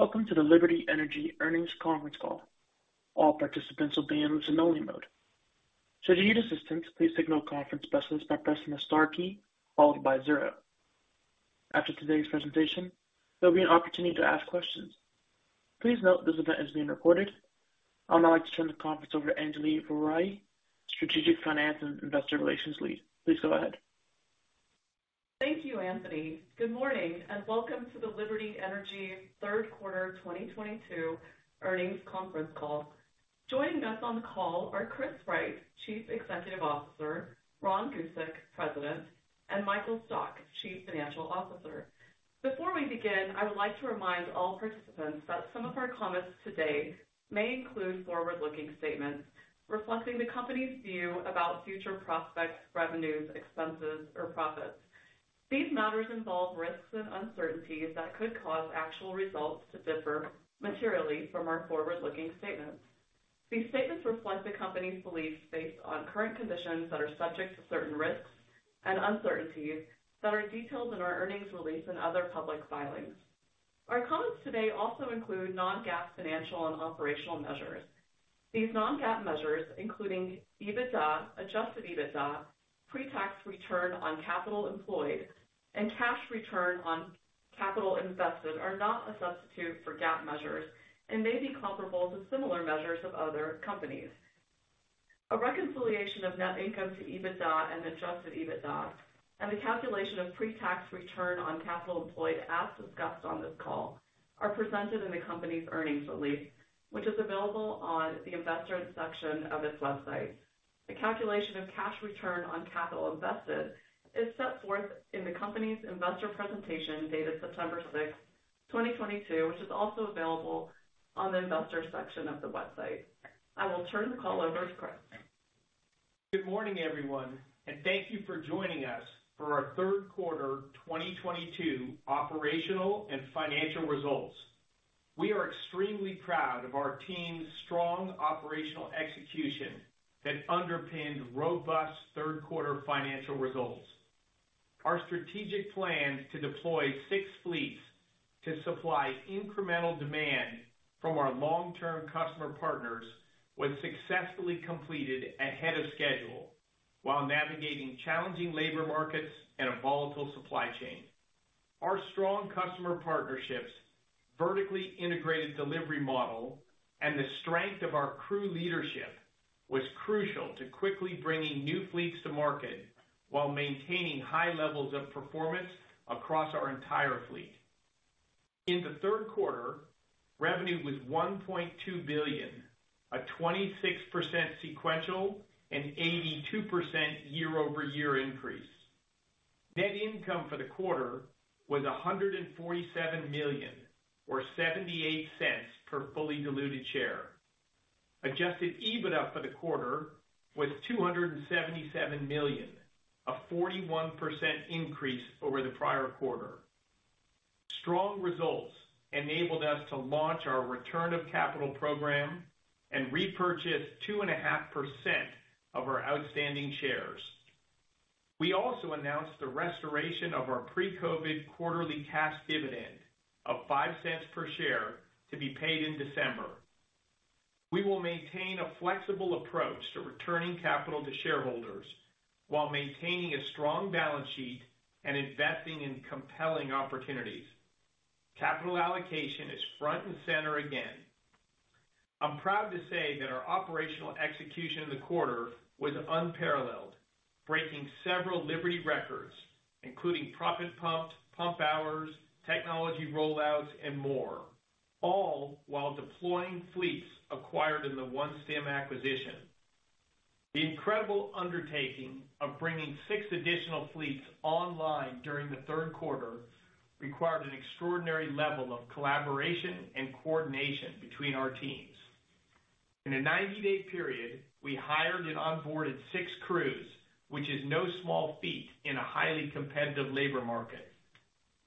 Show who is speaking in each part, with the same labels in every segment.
Speaker 1: Welcome to the Liberty Energy Earnings Conference Call. All participants will be in listen only mode. Should you need assistance, please signal a conference specialist by pressing the star key followed by zero. After today's presentation, there'll be an opportunity to ask questions. Please note this event is being recorded. I'd now like to turn the conference over to Anjali Voria, Strategic Finance and Investor Relations Lead. Please go ahead.
Speaker 2: Thank you, Anthony. Good morning and welcome to the Liberty Energy third quarter 2022 earnings conference call. Joining us on the call are Chris Wright, Chief Executive Officer, Ron Gusek, President, and Michael Stock, Chief Financial Officer. Before we begin, I would like to remind all participants that some of our comments today may include forward-looking statements reflecting the company's view about future prospects, revenues, expenses or profits. These matters involve risks and uncertainties that could cause actual results to differ materially from our forward-looking statements. These statements reflect the company's beliefs based on current conditions that are subject to certain risks and uncertainties that are detailed in our earnings release and other public filings. Our comments today also include non-GAAP financial and operational measures. These non-GAAP measures, including EBITDA, Adjusted EBITDA, pre-tax return on capital employed, and cash return on capital invested are not a substitute for GAAP measures and may be comparable to similar measures of other companies. A reconciliation of net income to EBITDA and Adjusted EBITDA and the calculation of pre-tax return on capital employed as discussed on this call are presented in the company's earnings release, which is available on the investor section of its website. The calculation of cash return on capital invested is set forth in the company's investor presentation dated September 6th, 2022, which is also available on the investor section of the website. I will turn the call over to Chris.
Speaker 3: Good morning, everyone, and thank you for joining us for our third quarter 2022 operational and financial results. We are extremely proud of our team's strong operational execution that underpinned robust third quarter financial results. Our strategic plan to deploy six fleets to supply incremental demand from our long-term customer partners was successfully completed ahead of schedule while navigating challenging labor markets and a volatile supply chain. Our strong customer partnerships, vertically integrated delivery model, and the strength of our crew leadership was crucial to quickly bringing new fleets to market while maintaining high levels of performance across our entire fleet. In the third quarter, revenue was $1.2 billion, a 26% sequential and 82% year-over-year increase. Net income for the quarter was $147 million or $0.78 per fully diluted share. Adjusted EBITDA for the quarter was $277 million, a 41% increase over the prior quarter. Strong results enabled us to launch our return of capital program and repurchase 2.5% of our outstanding shares. We also announced the restoration of our pre-COVID quarterly cash dividend of $0.05 per share to be paid in December. We will maintain a flexible approach to returning capital to shareholders while maintaining a strong balance sheet and investing in compelling opportunities. Capital allocation is front and center again. I'm proud to say that our operational execution in the quarter was unparalleled, breaking several Liberty records including proppant pumped, pump hours, technology rollouts and more, all while deploying fleets acquired in the OneStim acquisition. The incredible undertaking of bringing six additional fleets online during the third quarter required an extraordinary level of collaboration and coordination between our teams. In a 90-day period, we hired and onboarded six crews, which is no small feat in a highly competitive labor market.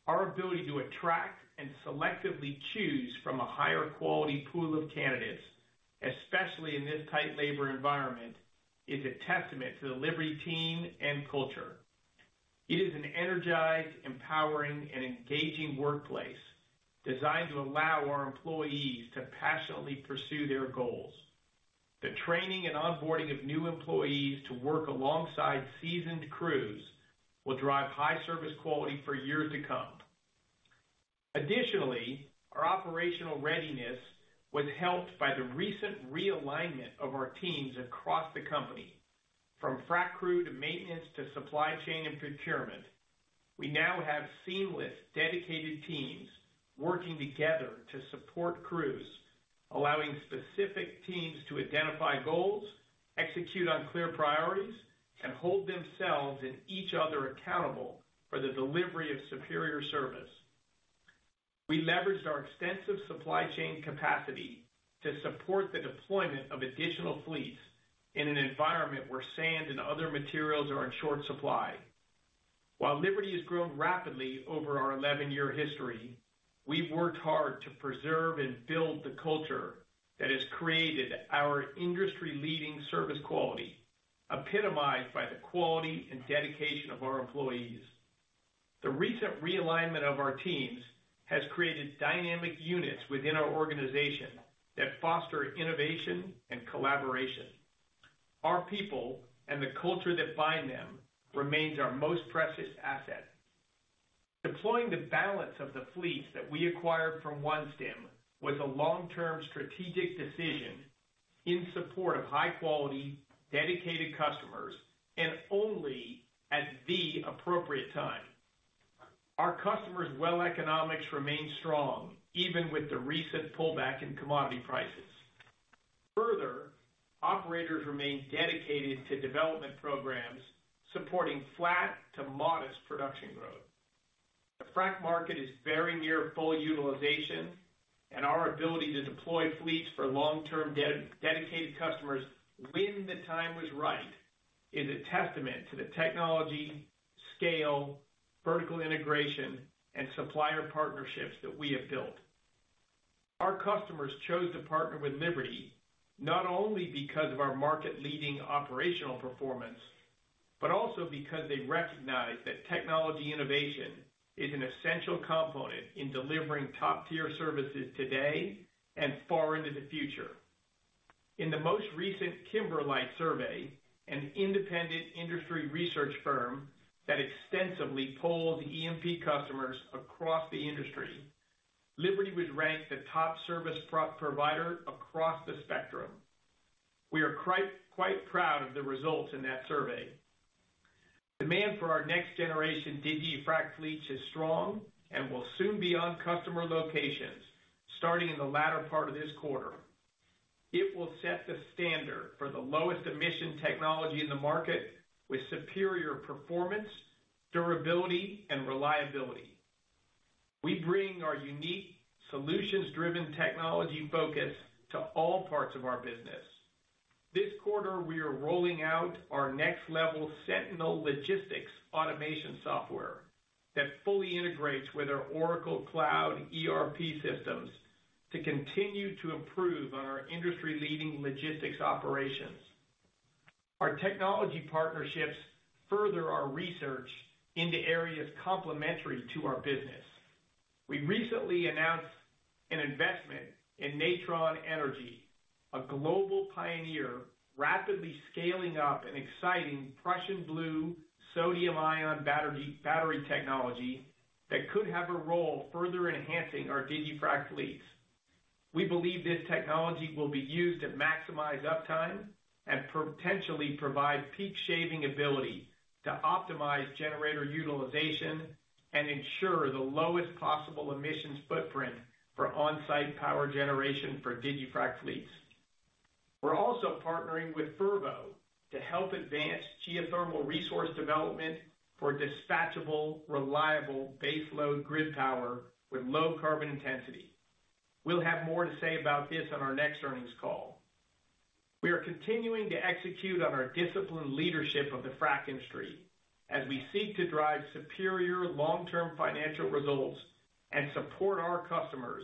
Speaker 3: Our ability to attract and selectively choose from a higher quality pool of candidates, especially in this tight labor environment, is a testament to the Liberty team and culture. It is an energized, empowering, and engaging workplace designed to allow our employees to passionately pursue their goals. The training and onboarding of new employees to work alongside seasoned crews will drive high service quality for years to come. Additionally, our operational readiness was helped by the recent realignment of our teams across the company from frac crew to maintenance to supply chain and procurement. We now have seamless, dedicated teams working together to support crews, allowing specific teams to identify goals, execute on clear priorities, and hold themselves and each other accountable for the delivery of superior service. We leveraged our extensive supply chain capacity to support the deployment of additional fleets in an environment where sand and other materials are in short supply. While Liberty has grown rapidly over our eleven-year history, we've worked hard to preserve and build the culture that has created our industry leading service quality. Epitomized by the quality and dedication of our employees. The recent realignment of our teams has created dynamic units within our organization that foster innovation and collaboration. Our people and the culture that bind them remains our most precious asset. Deploying the balance of the fleets that we acquired from OneStim was a long-term strategic decision in support of high quality, dedicated customers, and only at the appropriate time. Our customers' well economics remain strong even with the recent pullback in commodity prices. Further, operators remain dedicated to development programs supporting flat to modest production growth. The frac market is very near full utilization and our ability to deploy fleets for long-term dedicated customers when the time was right is a testament to the technology, scale, vertical integration, and supplier partnerships that we have built. Our customers chose to partner with Liberty not only because of our market leading operational performance, but also because they recognize that technology innovation is an essential component in delivering top-tier services today and far into the future. In the most recent Kimberlite survey, an independent industry research firm that extensively polls E&P customers across the industry, Liberty was ranked the top service provider across the spectrum. We are quite proud of the results in that survey. Demand for our next generation digiFrac fleet is strong and will soon be on customer locations starting in the latter part of this quarter. It will set the standard for the lowest-emission technology in the market with superior performance, durability and reliability. We bring our unique solutions-driven technology focus to all parts of our business. This quarter we are rolling out our next-level Sentinel Logistics automation software that fully integrates with our Oracle Cloud ERP systems to continue to improve on our industry-leading logistics operations. Our technology partnerships further our research into areas complementary to our business. We recently announced an investment in Natron Energy, a global pioneer rapidly scaling up an exciting Prussian blue sodium-ion battery technology that could have a role further enhancing our digiFrac fleets. We believe this technology will be used to maximize uptime and potentially provide peak shaving ability to optimize generator utilization and ensure the lowest possible emissions footprint for on-site power generation for digiFrac fleets. We're also partnering with Fervo Energy to help advance geothermal resource development for dispatchable, reliable baseload grid power with low carbon intensity. We'll have more to say about this on our next earnings call. We are continuing to execute on our disciplined leadership of the frac industry as we seek to drive superior long-term financial results and support our customers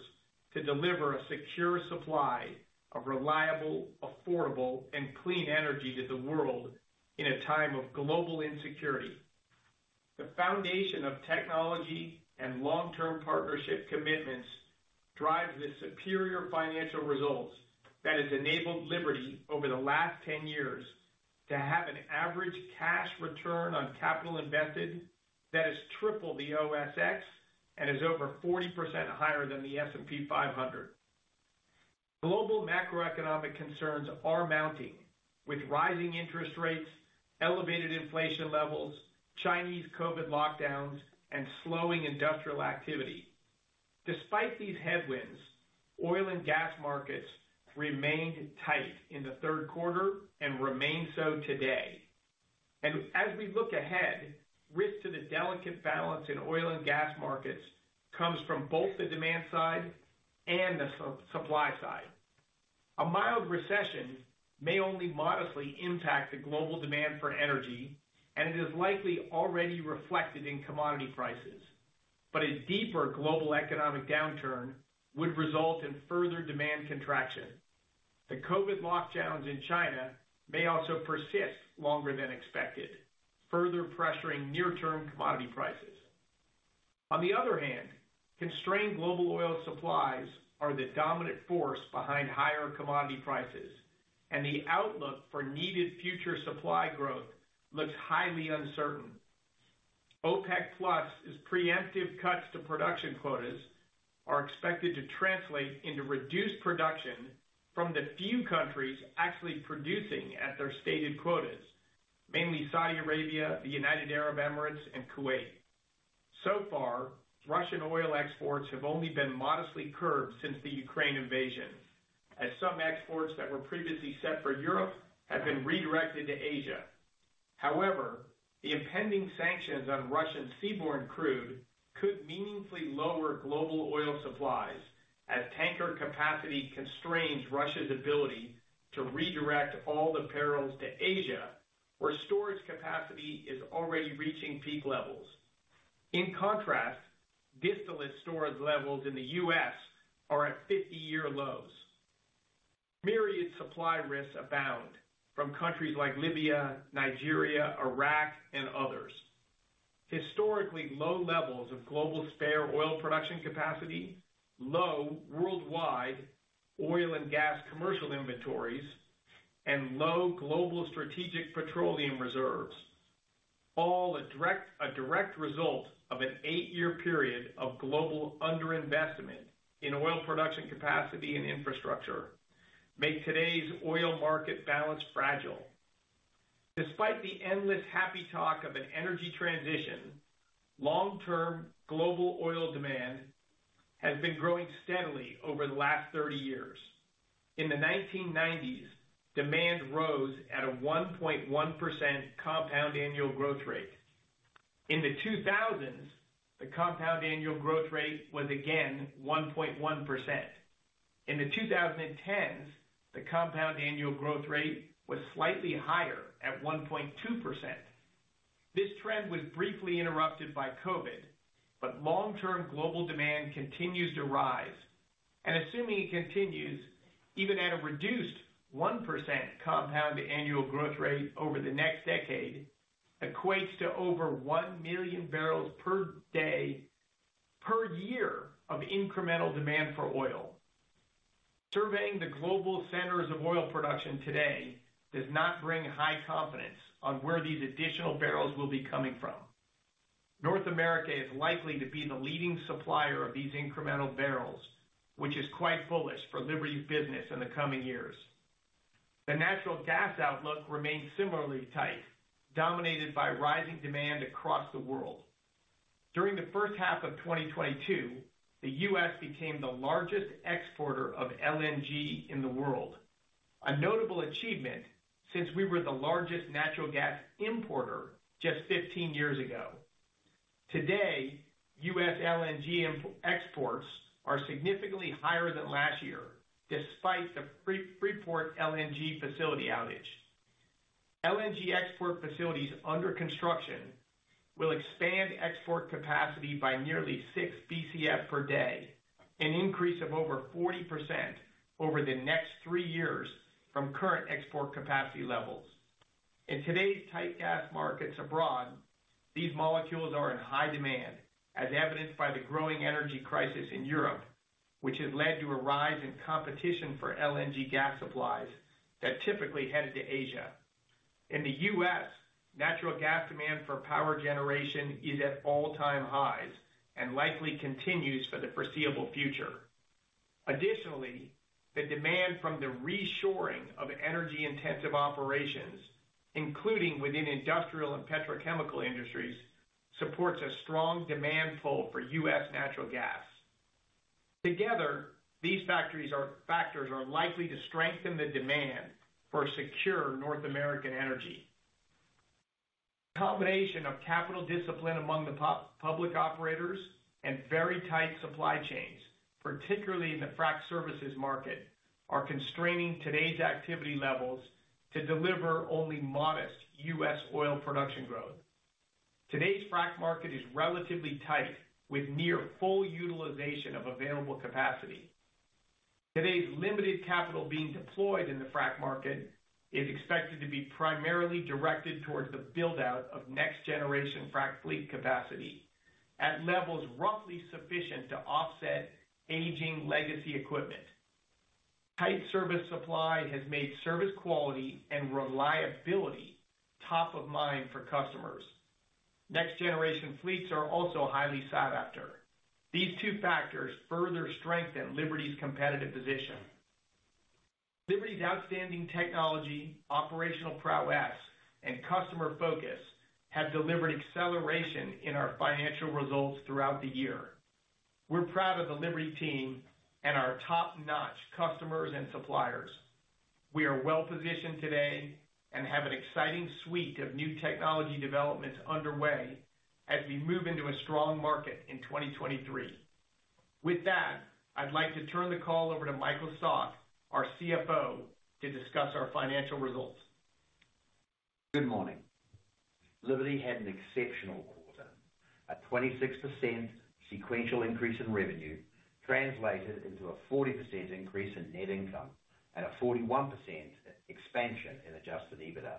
Speaker 3: to deliver a secure supply of reliable, affordable and clean energy to the world in a time of global insecurity. The foundation of technology and long-term partnership commitments drive the superior financial results that has enabled Liberty Energy over the last 10 years to have an average cash return on capital invested that has tripled the OSX and is over 40% higher than the S&P 500. Global macroeconomic concerns are mounting with rising interest rates, elevated inflation levels, Chinese COVID lockdowns, and slowing industrial activity. Despite these headwinds, oil and gas markets remained tight in the third quarter and remain so today. As we look ahead, risk to the delicate balance in oil and gas markets comes from both the demand side and the supply side. A mild recession may only modestly impact the global demand for energy, and it is likely already reflected in commodity prices. A deeper global economic downturn would result in further demand contraction. The COVID lockdowns in China may also persist longer than expected, further pressuring near-term commodity prices. On the other hand, constrained global oil supplies are the dominant force behind higher commodity prices, and the outlook for needed future supply growth looks highly uncertain. OPEC+'s preemptive cuts to production quotas are expected to translate into reduced production from the few countries actually producing at their stated quotas, mainly Saudi Arabia, the United Arab Emirates, and Kuwait. So far, Russian oil exports have only been modestly curbed since the Ukraine invasion, as some exports that were previously set for Europe have been redirected to Asia. However, the impending sanctions on Russian seaborne crude could meaningfully lower global oil supplies as tanker capacity constrains Russia's ability to redirect all the barrels to Asia, where storage capacity is already reaching peak levels. In contrast, distillate storage levels in the U.S. are at 50-year lows. Myriad supply risks abound from countries like Libya, Nigeria, Iraq and others. Historically low levels of global spare oil production capacity, low worldwide oil and gas commercial inventories, and low global strategic petroleum reserves, all a direct result of an eight-year period of global under-investment in oil production capacity and infrastructure make today's oil market balance fragile. Despite the endless happy talk of an energy transition, long-term global oil demand has been growing steadily over the last 30 years. In the 1990s, demand rose at a 1.1% compound annual growth rate. In the 2000s, the compound annual growth rate was again 1.1%. In the 2010s, the compound annual growth rate was slightly higher at 1.2%. This trend was briefly interrupted by COVID, but long-term global demand continues to rise and assuming it continues, even at a reduced 1% compound annual growth rate over the next decade, equates to over 1 million bbls per day per year of incremental demand for oil. Surveying the global centers of oil production today does not bring high confidence on where these additional barrels will be coming from. North America is likely to be the leading supplier of these incremental barrels, which is quite bullish for Liberty business in the coming years. The natural gas outlook remains similarly tight, dominated by rising demand across the world. During the first half of 2022, the U.S. became the largest exporter of LNG in the world, a notable achievement since we were the largest natural gas importer just 15 years ago. Today, U.S. LNG exports are significantly higher than last year, despite the Freeport LNG facility outage. LNG export facilities under construction will expand export capacity by nearly six BCF per day, an increase of over 40% over the next three years from current export capacity levels. In today's tight gas markets abroad, these molecules are in high demand, as evidenced by the growing energy crisis in Europe, which has led to a rise in competition for LNG gas supplies that typically headed to Asia. In the U.S., natural gas demand for power generation is at all-time highs and likely continues for the foreseeable future. Additionally, the demand from the reshoring of energy-intensive operations, including within industrial and petrochemical industries, supports a strong demand pull for U.S. natural gas. Together, these factors are likely to strengthen the demand for secure North American energy. Combination of capital discipline among the public operators and very tight supply chains, particularly in the frack services market, are constraining today's activity levels to deliver only modest U.S. oil production growth. Today's frack market is relatively tight, with near full utilization of available capacity. Today's limited capital being deployed in the frack market is expected to be primarily directed towards the build-out of next-generation frack fleet capacity at levels roughly sufficient to offset aging legacy equipment. Tight service supply has made service quality and reliability top of mind for customers. Next-generation fleets are also highly sought after. These two factors further strengthen Liberty's competitive position. Liberty's outstanding technology, operational prowess, and customer focus have delivered acceleration in our financial results throughout the year. We're proud of the Liberty team and our top-notch customers and suppliers. We are well-positioned today and have an exciting suite of new technology developments underway as we move into a strong market in 2023. With that, I'd like to turn the call over to Michael Stock, our CFO, to discuss our financial results.
Speaker 4: Good morning. Liberty had an exceptional quarter. A 26% sequential increase in revenue translated into a 40% increase in net income and a 41% expansion in Adjusted EBITDA.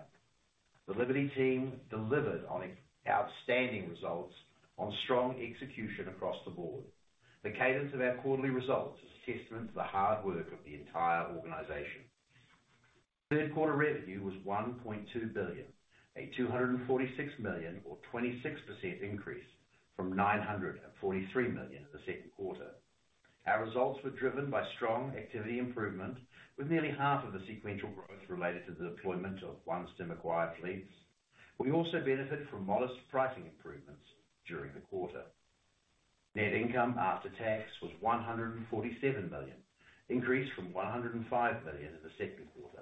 Speaker 4: The Liberty team delivered on outstanding results on strong execution across the board. The cadence of our quarterly results is a testament to the hard work of the entire organization. Third quarter revenue was $1.2 billion, a $246 million or 26% increase from $943 million in the second quarter. Our results were driven by strong activity improvement, with nearly half of the sequential growth related to the deployment of OneStim acquired fleets. We also benefited from modest pricing improvements during the quarter. Net income after tax was $147 million, increased from $105 million in the second quarter.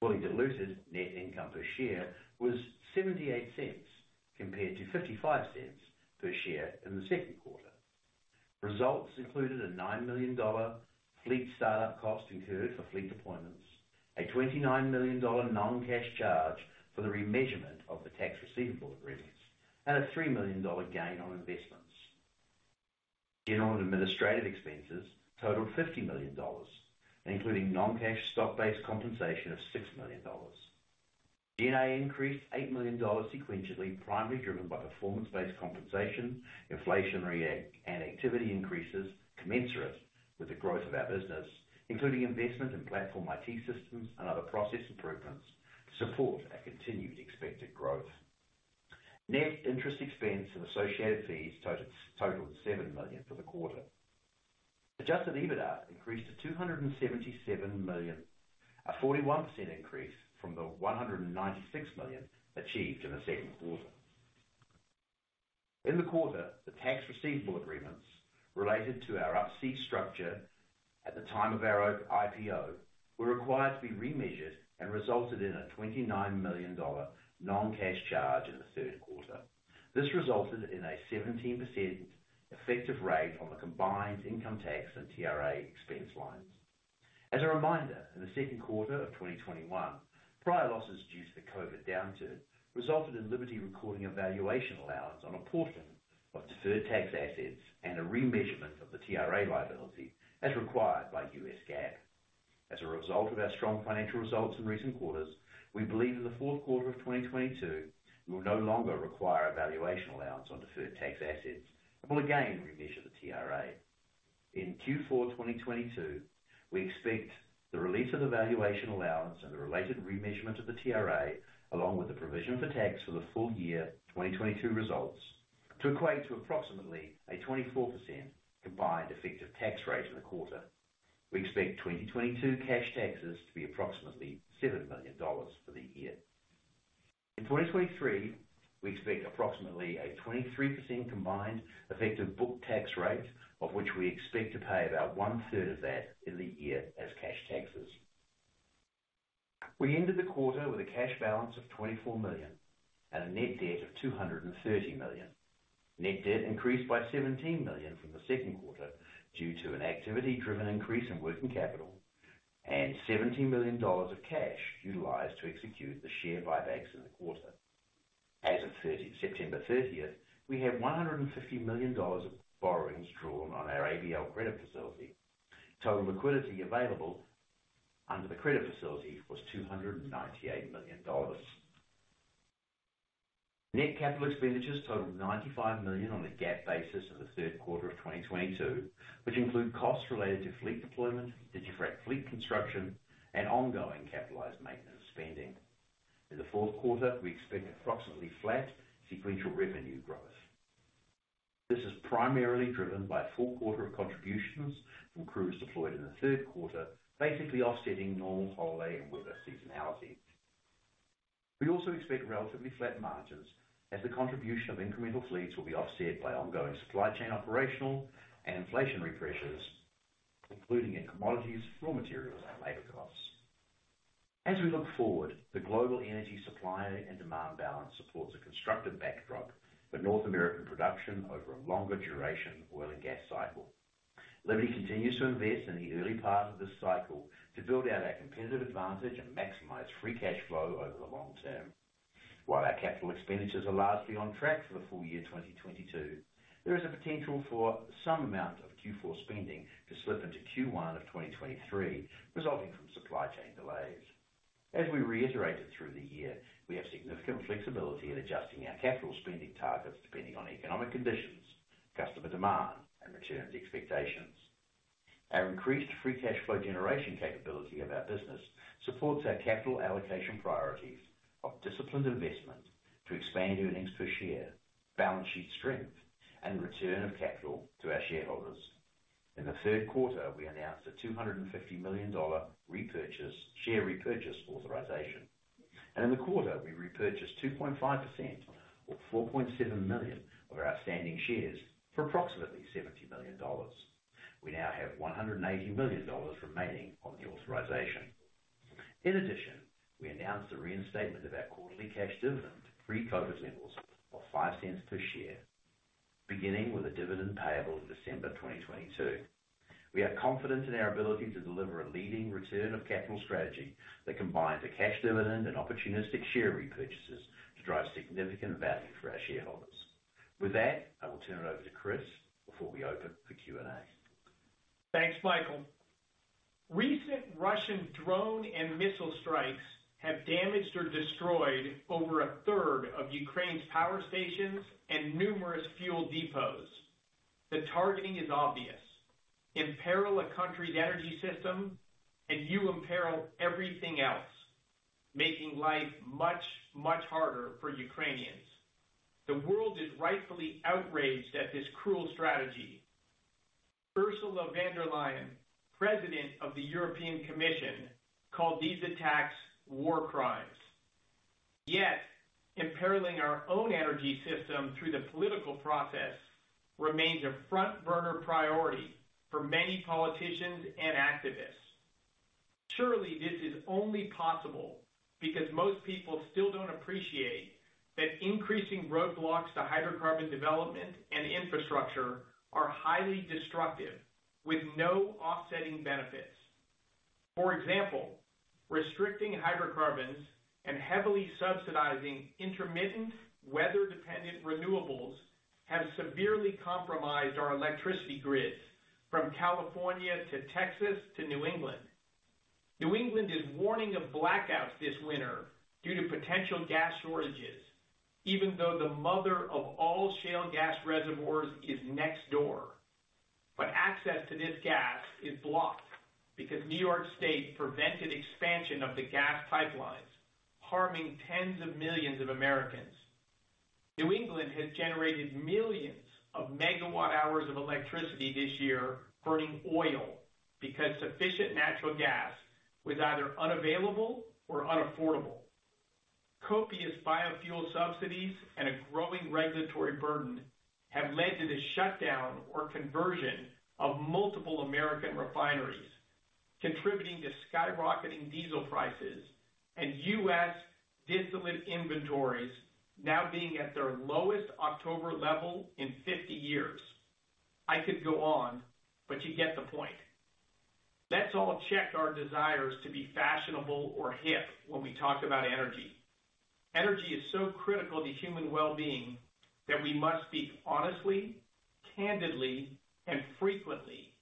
Speaker 4: Fully diluted net income per share was $0.78 compared to $0.55 per share in the second quarter. Results included a $9 million fleet startup cost incurred for fleet deployments, a $29 million non-cash charge for the remeasurement of the tax receivable agreements, and a $3 million gain on investments. General and administrative expenses totaled $50 million, including non-cash stock-based compensation of $6 million. G&A increased $8 million sequentially, primarily driven by performance-based compensation, inflationary and activity increases commensurate with the growth of our business, including investment in platform IT systems and other process improvements to support our continued expected growth. Net interest expense and associated fees totaled $7 million for the quarter. Adjusted EBITDA increased to $277 million, a 41% increase from the $196 million achieved in the second quarter. In the quarter, the tax receivable agreements related to our Up-C structure at the time of our IPO were required to be remeasured and resulted in a $29 million non-cash charge in the third quarter. This resulted in a 17% effective rate on the combined income tax and TRA expense lines. As a reminder, in the second quarter of 2021, prior losses due to the COVID downturn resulted in Liberty recording a valuation allowance on a portion of deferred tax assets and a remeasurement of the TRA liability as required by U.S. GAAP. As a result of our strong financial results in recent quarters, we believe in the fourth quarter of 2022, we will no longer require a valuation allowance on deferred tax assets and will again remeasure the TRA. In Q4 2022, we expect the release of the valuation allowance and the related remeasurement of the TRA, along with the provision for tax for the full year 2022 results, to equate to approximately a 24% combined effective tax rate for the quarter. We expect 2022 cash taxes to be approximately $7 million for the year. In 2023, we expect approximately a 23% combined effective book tax rate, of which we expect to pay about 1/3 of that in the year as cash taxes. We ended the quarter with a cash balance of $24 million and a net debt of $230 million. Net debt increased by $17 million from the second quarter due to an activity driven increase in working capital and $70 million of cash utilized to execute the share buybacks in the quarter. As of September 30th, we have $150 million of borrowings drawn on our ABL credit facility. Total liquidity available under the credit facility was $298 million. Net capital expenditures totaled $95 million on a GAAP basis in the third quarter of 2022, which include costs related to fleet deployment, digiFrac fleet construction, and ongoing capitalized maintenance spending. In the fourth quarter, we expect approximately flat sequential revenue growth. This is primarily driven by full quarter of contributions from crews deployed in the third quarter, basically offsetting normal holiday and weather seasonality. We also expect relatively flat margins as the contribution of incremental fleets will be offset by ongoing supply chain operational and inflationary pressures, including in commodities, raw materials, and labor costs. As we look forward, the global energy supply and demand balance supports a constructive backdrop for North American production over a longer duration oil and gas cycle. Liberty continues to invest in the early part of this cycle to build out our competitive advantage and maximize free cash flow over the long term. While our capital expenditures are largely on track for the full year 2022, there is a potential for some amount of Q4 spending to slip into Q1 of 2023, resulting from supply chain delays. As we reiterated through the year, we have significant flexibility in adjusting our capital spending targets depending on economic conditions, customer demand, and returns expectations. Our increased free cash flow generation capability of our business supports our capital allocation priorities of disciplined investment to expand earnings per share, balance sheet strength, and return of capital to our shareholders. In the third quarter, we announced a $250 million share repurchase authorization. In the quarter, we repurchased 2.5% or 4.7 million of our outstanding shares for approximately $70 million. We now have $180 million remaining on the authorization. In addition, we announced the reinstatement of our quarterly cash dividend, pre-focus levels of $0.05 per share, beginning with a dividend payable in December 2022. We have confidence in our ability to deliver a leading return of capital strategy that combines a cash dividend and opportunistic share repurchases to drive significant value for our shareholders. With that, I will turn it over to Chris before we open for Q&A.
Speaker 3: Thanks, Michael. Recent Russian drone and missile strikes have damaged or destroyed over 1/3 of Ukraine's power stations and numerous fuel depots. The targeting is obvious. Imperil a country's energy system and you imperil everything else, making life much, much harder for Ukrainians. The world is rightfully outraged at this cruel strategy. Ursula von der Leyen, President of the European Commission, called these attacks war crimes. Yet, imperiling our own energy system through the political process remains a front-burner priority for many politicians and activists. Surely this is only possible because most people still don't appreciate that increasing roadblocks to hydrocarbon development and infrastructure are highly destructive with no offsetting benefits. For example, restricting hydrocarbons and heavily subsidizing intermittent weather-dependent renewables have severely compromised our electricity grids from California to Texas to New England. New England is warning of blackouts this winter due to potential gas shortages, even though the mother of all shale gas reservoirs is next door. Access to this gas is blocked because New York State prevented expansion of the gas pipelines, harming tens of millions of Americans. New England has generated millions of megawatt hours of electricity this year, burning oil because sufficient natural gas was either unavailable or unaffordable. Copious biofuel subsidies and a growing regulatory burden have led to the shutdown or conversion of multiple American refineries, contributing to skyrocketing diesel prices and U.S. distillate inventories now being at their lowest October level in 50 years. I could go on, but you get the point. Let's all check our desires to be fashionable or hip when we talk about energy. Energy is so critical to human well-being that we must speak honestly, candidly, and frequently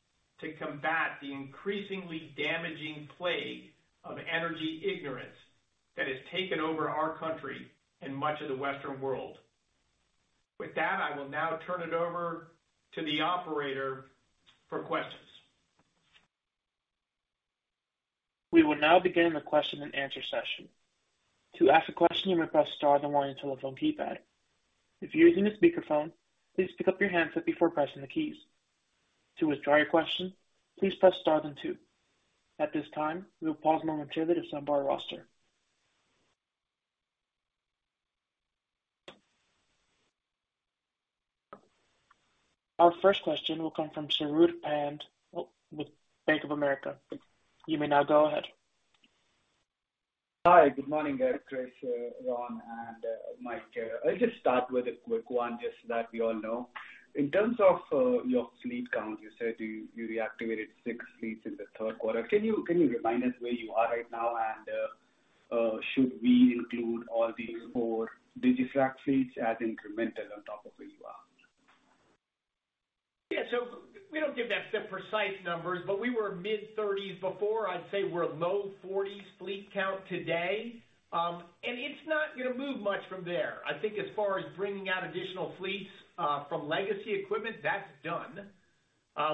Speaker 3: to combat the increasingly damaging plague of energy ignorance that has taken over our country and much of the Western world. With that, I will now turn it over to the operator for questions.
Speaker 1: We will now begin the question-and-answer session. To ask a question, you may press star on your telephone keypad. If you're using a speakerphone, please pick up your handset before pressing the keys. To withdraw your question, please press star then two. At this time, we will pause momentarily to compile the roster. Our first question will come from Saurabh Pant with Bank of America. You may now go ahead.
Speaker 5: Hi. Good morning, Chris, Ron, and Mike. I'll just start with a quick one, just so that we all know. In terms of your fleet count, you said you reactivated six fleets in the third quarter. Can you remind us where you are right now? Should we include all these four digiFrac fleets as incremental on top of where you are?
Speaker 3: Yeah. We don't give that the precise numbers, but we were mid-30s before. I'd say we're low 40s fleet count today. It's not gonna move much from there. I think as far as bringing out additional fleets from legacy equipment, that's done.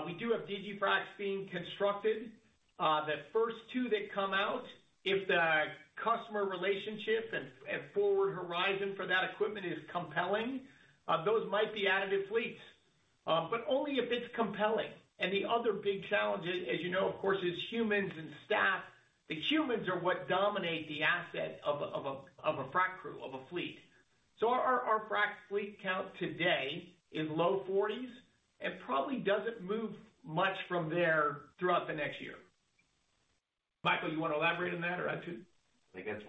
Speaker 3: We do have digiFracs being constructed. The first two that come out, if the customer relationship and forward horizon for that equipment is compelling, those might be additive fleets, but only if it's compelling. The other big challenge is, as you know, of course, is humans and staff. The humans are what dominate the asset of a frac crew, of a fleet. Our frac fleet count today is low 40s and probably doesn't move much from there throughout the next year. Michael, you wanna elaborate on that or add to?
Speaker 4: I think that's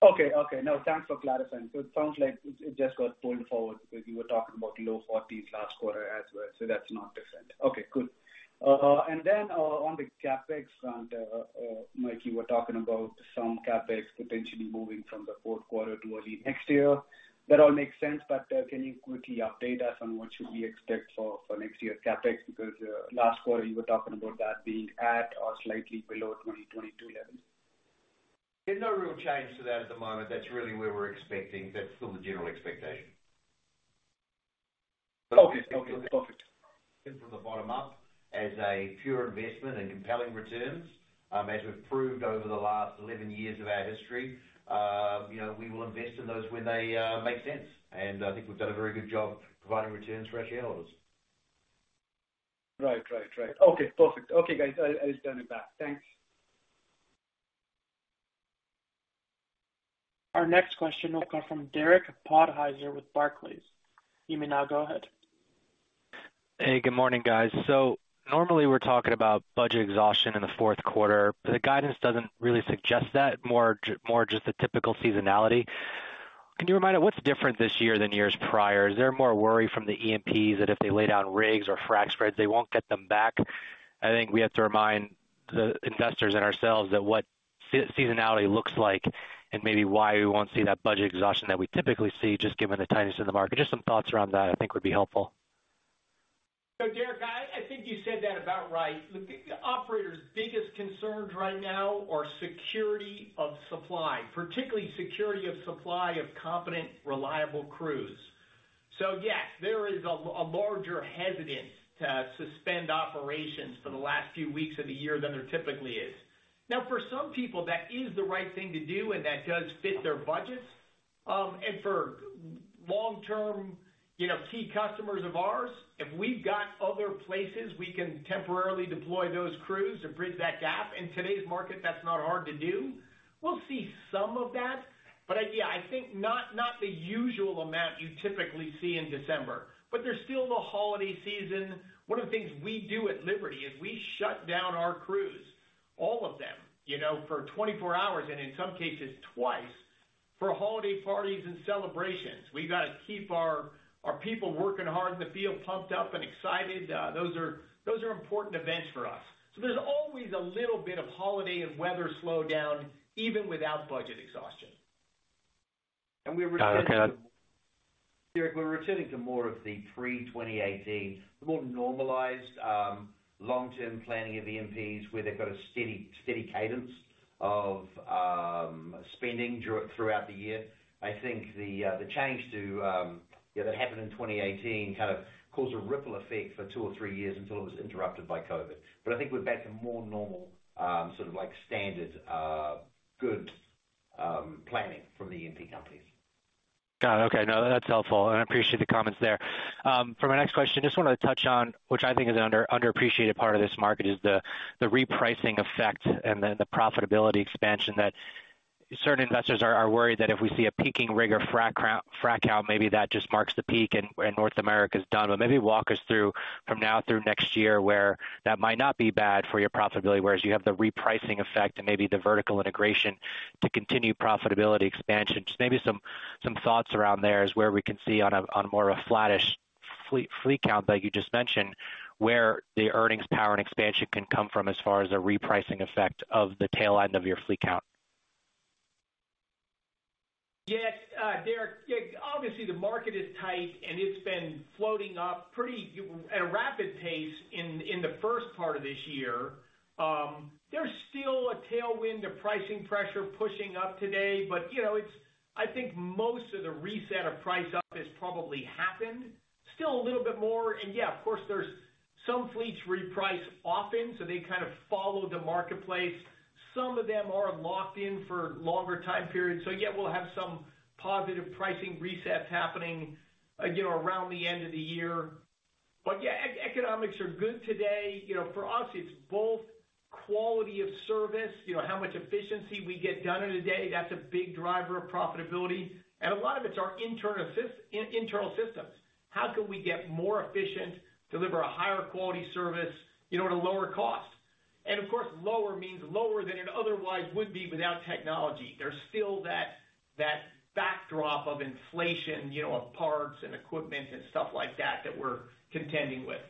Speaker 4: fine.
Speaker 5: No, thanks for clarifying. It sounds like it just got pulled forward because you were talking about low forties last quarter as well. That's not different. Okay, cool. On the CapEx front, Mike, you were talking about some CapEx potentially moving from the fourth quarter to early next year. That all makes sense, but can you quickly update us on what we should expect for next year's CapEx? Because last quarter, you were talking about that being at or slightly below 2022 levels.
Speaker 4: There's no real change to that at the moment. That's really where we're expecting. That's still the general expectation.
Speaker 5: Okay. Perfect.
Speaker 4: From the bottom up as a pure investment and compelling returns, as we've proved over the last 11 years of our history, you know, we will invest in those when they make sense. I think we've done a very good job providing returns for our shareholders.
Speaker 5: Right. Okay, perfect. Okay, guys. I'll turn it back. Thanks.
Speaker 1: Our next question will come from Derek Podhaizer with Barclays. You may now go ahead.
Speaker 6: Hey, good morning, guys. Normally we're talking about budget exhaustion in the fourth quarter. The guidance doesn't really suggest that, more just the typical seasonality. Can you remind us what's different this year than years prior? Is there more worry from the E&Ps that if they lay down rigs or frac spreads, they won't get them back? I think we have to remind the investors and ourselves that what seasonality looks like and maybe why we won't see that budget exhaustion that we typically see just given the tightness in the market. Just some thoughts around that I think would be helpful.
Speaker 3: Derek, I think you said that about right. The operators' biggest concerns right now are security of supply, particularly security of supply of competent, reliable crews. Yes, there is a larger hesitance to suspend operations for the last few weeks of the year than there typically is. Now, for some people, that is the right thing to do, and that does fit their budgets. For long-term, you know, key customers of ours, if we've got other places we can temporarily deploy those crews to bridge that gap, in today's market, that's not hard to do. We'll see some of that. Yeah, I think not the usual amount you typically see in December. There's still the holiday season. One of the things we do at Liberty is we shut down our crews, all of them, you know, for 24 hours, and in some cases twice for holiday parties and celebrations. We've got to keep our people working hard in the field pumped up and excited. Those are important events for us. There's always a little bit of holiday and weather slowdown, even without budget exhaustion.
Speaker 6: Got it.
Speaker 4: Derek, we're returning to more of the pre-2018, more normalized, long-term planning of E&Ps, where they've got a steady cadence of, spending throughout the year. I think the change to, you know, that happened in 2018 kind of caused a ripple effect for two or three years until it was interrupted by COVID. I think we're back to more normal, sort of like standard, good, planning from the E&P companies.
Speaker 6: Got it. Okay. No, that's helpful, and I appreciate the comments there. For my next question, just wanted to touch on, which I think is an underappreciated part of this market, is the repricing effect and then the profitability expansion that certain investors are worried that if we see a peaking rig or frac count, maybe that just marks the peak and North America's done. Maybe walk us through from now through next year where that might not be bad for your profitability, whereas you have the repricing effect and maybe the vertical integration to continue profitability expansion. Just maybe some thoughts around there as where we can see on a more of a flattish fleet count that you just mentioned, where the earnings power and expansion can come from as far as a repricing effect of the tail end of your fleet count.
Speaker 3: Yeah. Derek, yeah, obviously the market is tight, and it's been floating up pretty at a rapid pace in the first part of this year. There's still a tailwind of pricing pressure pushing up today, but you know, it's I think most of the reset of price up has probably happened. Still a little bit more. Yeah, of course, there's some fleets reprice often, so they kind of follow the marketplace. Some of them are locked in for longer time periods. Yeah, we'll have some positive pricing resets happening, again, around the end of the year. Yeah, economics are good today. You know, for us, it's both quality of service, you know, how much efficiency we get done in a day. That's a big driver of profitability. A lot of it's our internal systems. How can we get more efficient, deliver a higher quality service, you know, at a lower cost? Of course, lower means lower than it otherwise would be without technology. There's still that backdrop of inflation, you know, of parts and equipment and stuff like that we're contending with.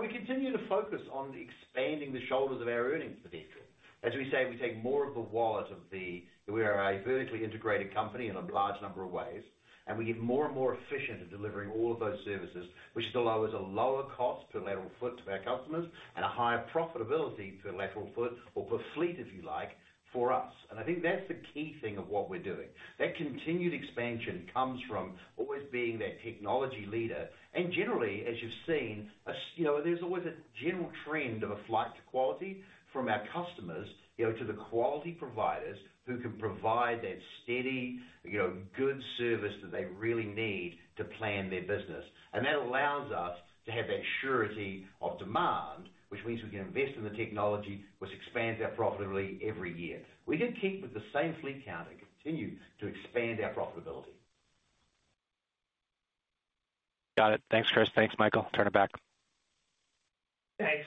Speaker 3: We continue to focus on this.
Speaker 4: Expanding the shoulders of our earnings potential. As we say, we take more of the wallet of the. We are a vertically integrated company in a large number of ways, and we get more and more efficient in delivering all of those services, which still allows a lower cost per lateral foot to our customers and a higher profitability per lateral foot or per fleet, if you like, for us. I think that's the key thing of what we're doing. That continued expansion comes from always being that technology leader. Generally, as you've seen, you know, there's always a general trend of a flight to quality from our customers, you know, to the quality providers who can provide that steady, you know, good service that they really need to plan their business. That allows us to have that surety of demand, which means we can invest in the technology, which expands our profitability every year. We can keep with the same fleet count and continue to expand our profitability.
Speaker 6: Got it. Thanks, Chris. Thanks, Michael. I'll turn it back.
Speaker 3: Thanks.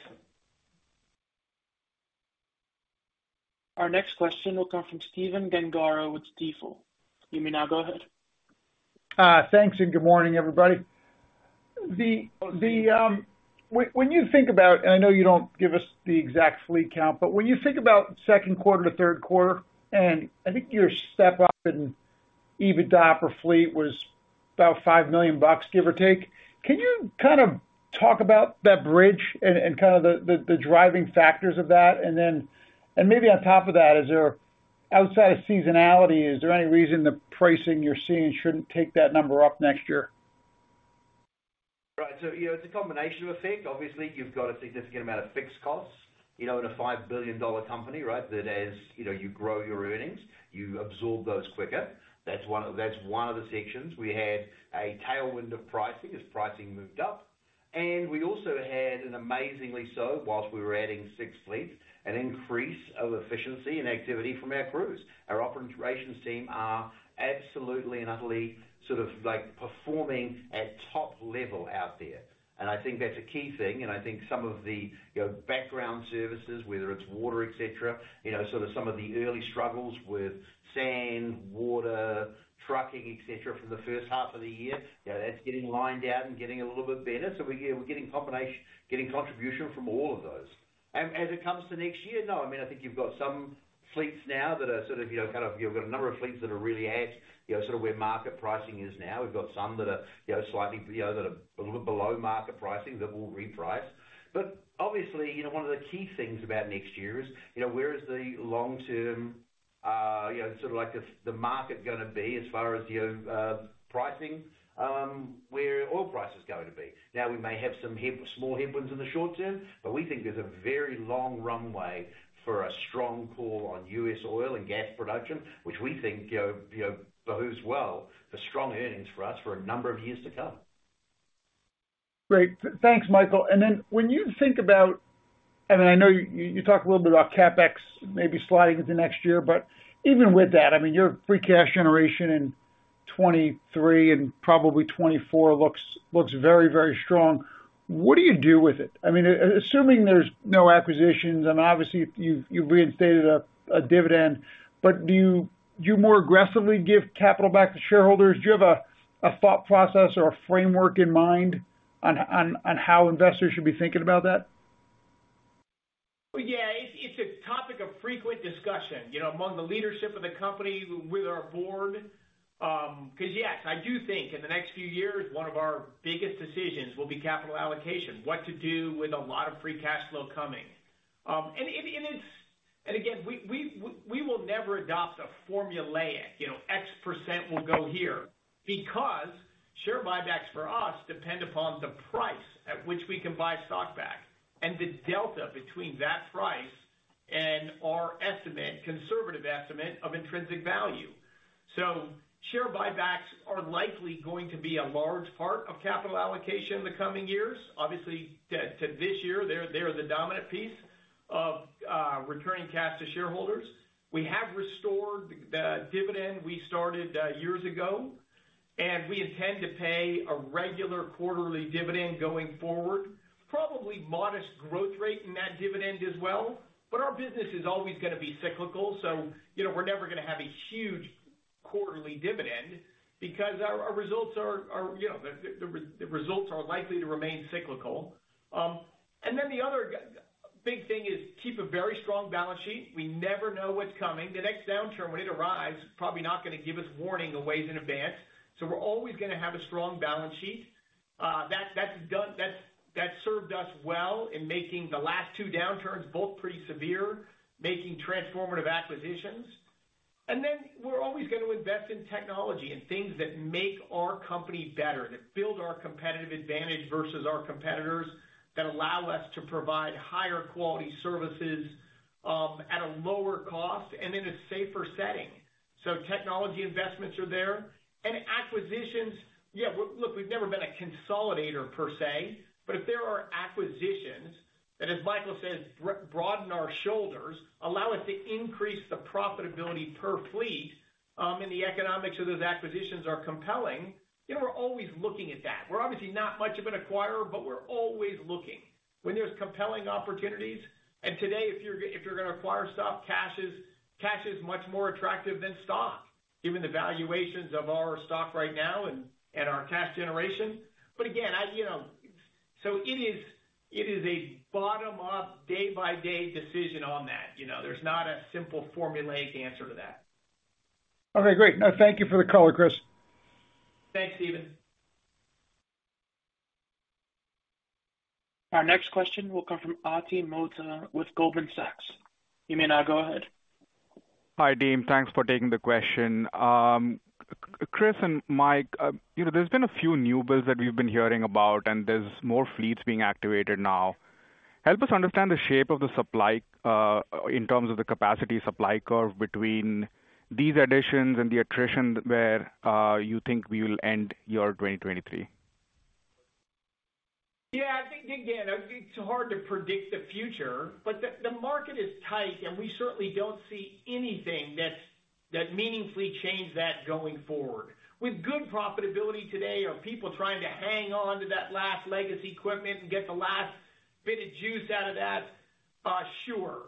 Speaker 1: Our next question will come from Stephen Gengaro with Stifel. You may now go ahead.
Speaker 7: Thanks, good morning, everybody. When you think about, and I know you don't give us the exact fleet count, but when you think about second quarter to third quarter, and I think your step up in EBITDA per fleet was about $5 million, give or take. Can you kind of talk about that bridge and kind of the driving factors of that? Then, maybe on top of that, is there, outside of seasonality, is there any reason the pricing you're seeing shouldn't take that number up next year?
Speaker 4: Right. You know, it's a combination effect. Obviously, you've got a significant amount of fixed costs, you know, in a $5 billion company, right? That as, you know, you grow your earnings, you absorb those quicker. That's one of the sections. We had a tailwind of pricing as pricing moved up. We also had, and amazingly so, while we were adding six fleets, an increase of efficiency and activity from our crews. Our operations team are absolutely and utterly sort of, like, performing at top level out there. I think that's a key thing, and I think some of the, you know, background services, whether it's water, et cetera, you know, sort of some of the early struggles with sand, water, trucking, et cetera, for the first half of the year, you know, that's getting lined out and getting a little bit better. We're getting contribution from all of those. As it comes to next year, I mean, I think you've got some fleets now that are sort of, you know, kind of. You've got a number of fleets that are really at, you know, sort of where market pricing is now. We've got some that are, you know, slightly, you know, that are a little bit below market pricing that will reprice. Obviously, you know, one of the key things about next year is, you know, where is the long-term, you know, sort of like if the market's gonna be as far as, you know, pricing, where oil price is going to be. Now, we may have some small headwinds in the short term, but we think there's a very long runway for a strong call on U.S. oil and gas production, which we think, you know, bodes well for strong earnings for us for a number of years to come.
Speaker 7: Great. Thanks, Michael. I know you talked a little bit about CapEx maybe sliding into next year, but even with that, I mean, your free cash generation in 2023 and probably 2024 looks very, very strong. What do you do with it? I mean, assuming there's no acquisitions and obviously you've reinstated a dividend, but do you more aggressively give capital back to shareholders? Do you have a thought process or a framework in mind on how investors should be thinking about that?
Speaker 3: Well, yeah. It's a topic of frequent discussion, you know, among the leadership of the company, with our Board. 'Cause yes, I do think in the next few years, one of our biggest decisions will be capital allocation, what to do with a lot of free cash flow coming. Again, we will never adopt a formulaic, you know, X% will go here because share buybacks for us depend upon the price at which we can buy stock back and the delta between that price and our estimate, conservative estimate of intrinsic value. Share buybacks are likely going to be a large part of capital allocation in the coming years. Obviously to this year, they're the dominant piece of returning cash to shareholders. We have restored the dividend we started years ago, and we intend to pay a regular quarterly dividend going forward. Probably modest growth rate in that dividend as well. Our business is always gonna be cyclical. We're never gonna have a huge quarterly dividend because our results are likely to remain cyclical. The other big thing is keep a very strong balance sheet. We never know what's coming. The next downturn when it arrives, probably not gonna give us warning a ways in advance. We're always gonna have a strong balance sheet. That served us well in making the last two downturns, both pretty severe, making transformative acquisitions. Then we're always gonna invest in technology and things that make our company better, that build our competitive advantage versus our competitors, that allow us to provide higher quality services, at a lower cost and in a safer setting. Technology investments are there. Acquisitions, yeah, look, we've never been a consolidator per se, but if there are acquisitions that, as Michael says, broaden our shoulders, allow us to increase the profitability per fleet, and the economics of those acquisitions are compelling, you know, we're always looking at that. We're obviously not much of an acquirer, but we're always looking when there's compelling opportunities. Today, if you're gonna acquire stuff, cash is much more attractive than stock, given the valuations of our stock right now and our cash generation. Again, you know. It is a bottom-up, day-by-day decision on that, you know? There's not a simple formulaic answer to that.
Speaker 7: Okay, great. No, thank you for the color, Chris.
Speaker 3: Thanks, Stephen.
Speaker 1: Our next question will come from Ati Modak with Goldman Sachs. You may now go ahead.
Speaker 8: Hi, team. Thanks for taking the question. Chris and Mike, you know, there's been a few new builds that we've been hearing about, and there's more fleets being activated now. Help us understand the shape of the supply, in terms of the capacity supply curve between these additions and the attrition where you think we will end your 2023.
Speaker 3: Yeah, I think, again, it's hard to predict the future, but the market is tight, and we certainly don't see anything that's meaningfully change that going forward. With good profitability today, are people trying to hang on to that last legacy equipment and get the last bit of juice out of that? Sure.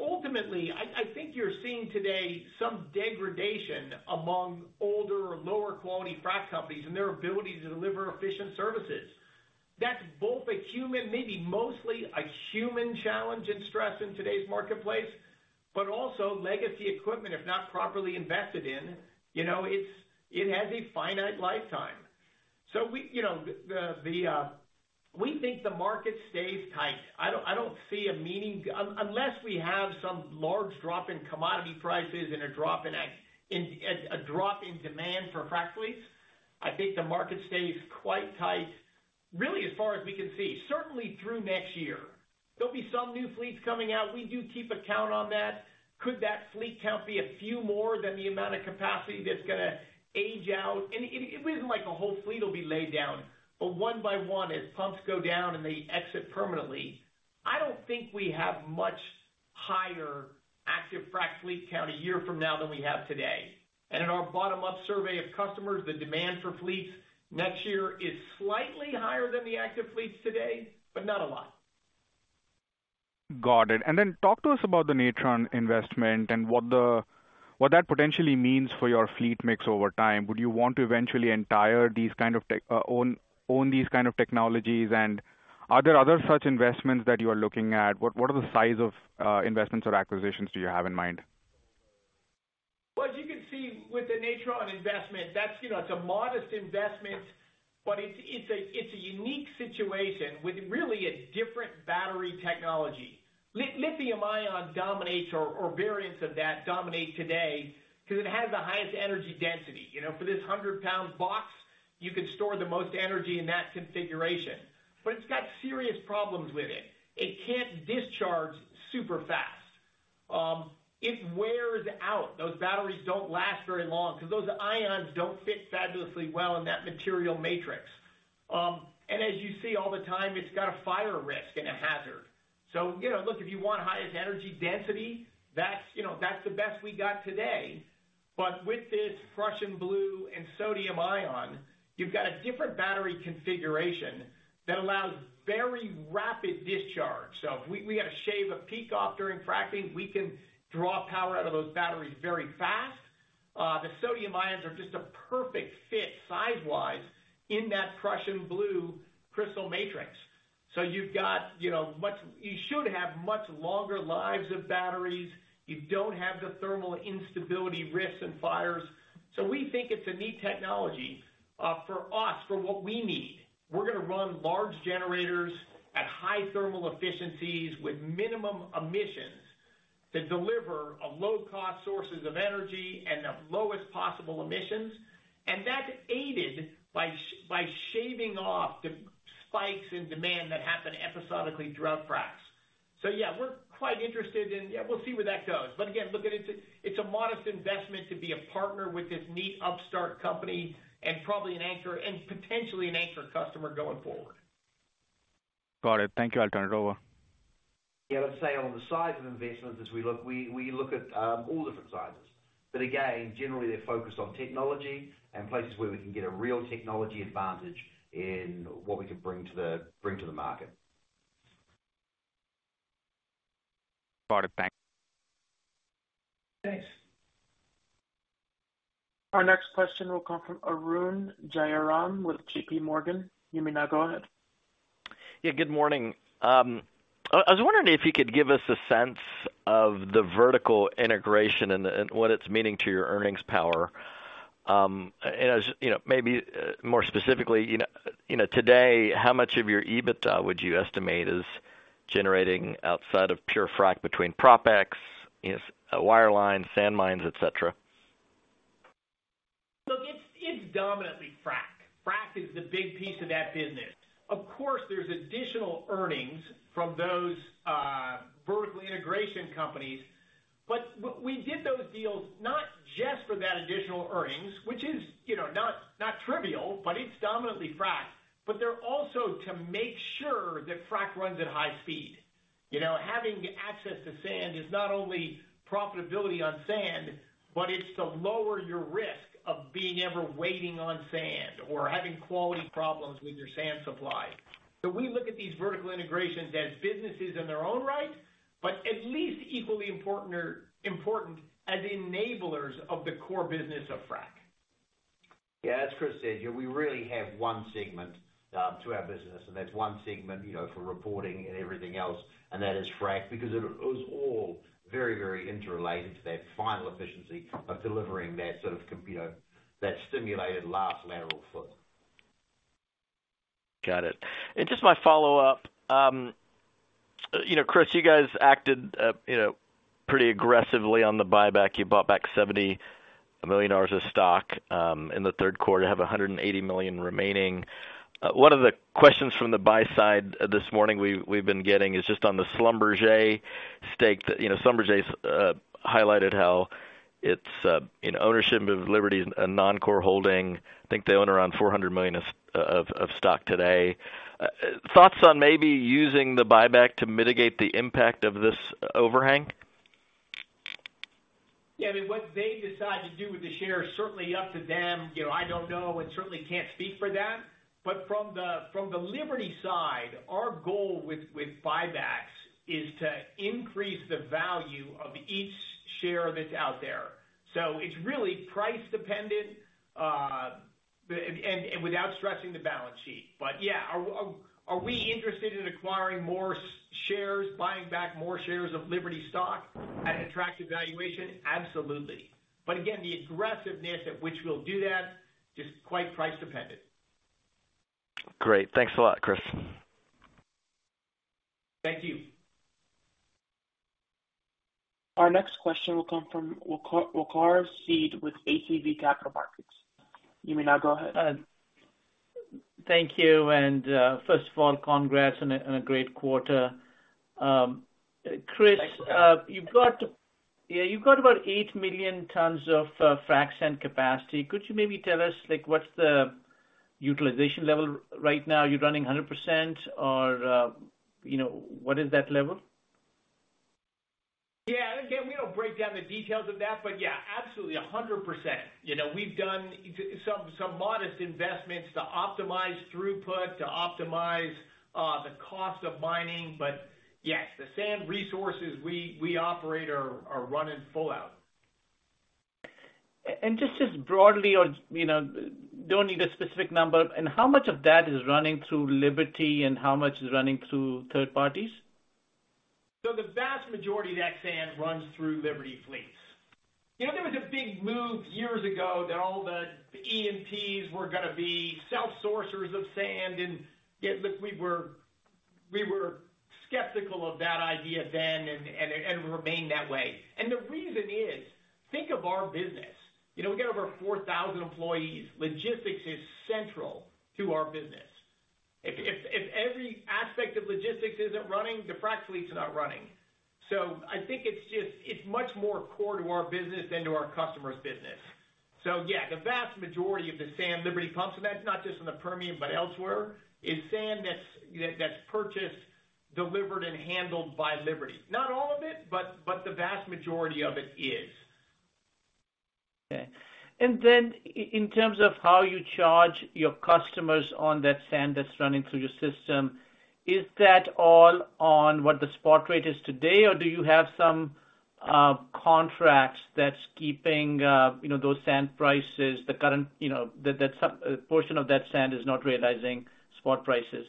Speaker 3: Ultimately, I think you're seeing today some degradation among older or lower quality frac companies and their ability to deliver efficient services. That's both a human, maybe mostly a human challenge and stress in today's marketplace, but also legacy equipment, if not properly invested in, you know, it has a finite lifetime. So we, you know, we think the market stays tight. I don't see a meaning. Unless we have some large drop in commodity prices and a drop in demand for frack fleets, I think the market stays quite tight, really, as far as we can see. Certainly through next year. There'll be some new fleets coming out. We do keep a count on that. Could that fleet count be a few more than the amount of capacity that's gonna age out? It isn't like a whole fleet will be laid down, but one by one, as pumps go down and they exit permanently, I don't think we have much higher active frack fleet count a year from now than we have today. In our bottom-up survey of customers, the demand for fleets next year is slightly higher than the active fleets today, but not a lot.
Speaker 8: Got it. talk to us about the Natron investment and what that potentially means for your fleet mix over time. Would you want to eventually own these kind of technologies? Are there other such investments that you are looking at? What are the size of investments or acquisitions do you have in mind?
Speaker 3: Well, as you can see with the Natron investment, that's, you know, it's a modest investment, but it's a unique situation with really a different battery technology. Lithium ion dominates or variants of that dominate today because it has the highest energy density. You know, for this 100-lbs box, you could store the most energy in that configuration. But it's got serious problems with it. It can't discharge super fast. It wears out. Those batteries don't last very long 'cause those ions don't fit fabulously well in that material matrix. As you see all the time, it's got a fire risk and a hazard. You know, look, if you want highest energy density, that's, you know, that's the best we got today. But with this Prussian blue and sodium-ion, you've got a different battery configuration that allows very rapid discharge. If we gotta shave a peak off during fracking, we can draw power out of those batteries very fast. The sodium ions are just a perfect fit size-wise in that Prussian blue crystal matrix. You've got, you know, much longer lives of batteries. You don't have the thermal instability risks and fires. We think it's a neat technology, for us, for what we need. We're gonna run large generators at high thermal efficiencies with minimum emissions that deliver low cost sources of energy and the lowest possible emissions, and that's aided by shaving off the spikes in demand that happen episodically throughout fracs. Yeah, we're quite interested and, yeah, we'll see where that goes. Again, look, it's a modest investment to be a partner with this neat upstart company and probably an anchor and potentially an anchor customer going forward.
Speaker 8: Got it. Thank you. I'll turn it over.
Speaker 4: Yeah, let's say on the size of investments as we look at all different sizes. Again, generally they're focused on technology and places where we can get a real technology advantage in what we can bring to the market.
Speaker 8: Got it.
Speaker 1: Thanks. Our next question will come from Arun Jayaram with JPMorgan. You may now go ahead.
Speaker 9: Yeah, good morning. I was wondering if you could give us a sense of the vertical integration and what it's meaning to your earnings power. As you know, maybe more specifically, you know, today, how much of your EBITDA would you estimate is generating outside of pure frac between PropX, S wireline, sand mines, et cetera?
Speaker 3: Look, it's dominantly frac. Frac is the big piece of that business. Of course, there's additional earnings from those, vertical integration companies. We did those deals not just for that additional earnings, which is, you know, not trivial, but it's dominantly frac. They're also to make sure that frac runs at high speed. You know, having access to sand is not only profitability on sand, but it's to lower your risk of being ever waiting on sand or having quality problems with your sand supply. We look at these vertical integrations as businesses in their own right, but at least equally important or important as enablers of the core business of frac.
Speaker 4: Yeah. As Chris said, you know, we really have one segment to our business, and that's one segment, you know, for reporting and everything else, and that is frac because it was all very, very interrelated to that final efficiency of delivering that sort of, you know, that stimulated last lateral foot.
Speaker 9: Got it. Just my follow-up. Chris, you guys acted pretty aggressively on the buyback. You bought back $70 million of stock in the third quarter, have $180 million remaining. One of the questions from the buy side this morning we've been getting is just on the Schlumberger stake. Schlumberger's highlighted how its ownership of Liberty's a non-core holding. I think they own around $400 million of stock today. Thoughts on maybe using the buyback to mitigate the impact of this overhang?
Speaker 3: Yeah. I mean, what they decide to do with the share is certainly up to them. You know, I don't know and certainly can't speak for them. From the Liberty side, our goal with buybacks is to increase the value of each share that's out there. It's really price dependent, and without stressing the balance sheet. Yeah, are we interested in acquiring more shares, buying back more shares of Liberty stock at an attractive valuation? Absolutely. Again, the aggressiveness at which we'll do that, just quite price dependent.
Speaker 9: Great. Thanks a lot, Chris.
Speaker 3: Thank you.
Speaker 1: Our next question will come from Waqar Syed with ATB Capital Markets. You may now go ahead.
Speaker 10: Thank you. First of all, congrats on a great quarter. Chris.
Speaker 3: Thanks.
Speaker 10: You've got about 8 million tons of frac sand capacity. Could you maybe tell us, like, what's the utilization level right now? You're running 100% or, you know, what is that level?
Speaker 3: Yeah. Again, we don't break down the details of that, but yeah, absolutely 100%. You know, we've done some modest investments to optimize throughput, to optimize the cost of mining. Yes, the sand resources we operate are running full out.
Speaker 10: Just as broadly or, you know, don't need a specific number. How much of that is running through Liberty and how much is running through third parties?
Speaker 3: The vast majority of that sand runs through Liberty fleets. You know, there was a big move years ago that all the E&Ps were gonna be self-sourcers of sand. Yeah, look, we were skeptical of that idea then and remain that way. The reason is, think of our business. You know, we got over 4,000 employees. Logistics is central to our business. If every aspect of logistics isn't running, the frac fleet's not running. I think it's just, it's much more core to our business than to our customer's business. Yeah, the vast majority of the sand Liberty pumps, and that's not just in the Permian, but elsewhere, is sand that's purchased, delivered, and handled by Liberty. Not all of it, but the vast majority of it is.
Speaker 10: Okay. Then in terms of how you charge your customers on that sand that's running through your system, is that all on what the spot rate is today? Or do you have some contracts that's keeping you know those sand prices the current you know that's portion of that sand is not realizing spot prices?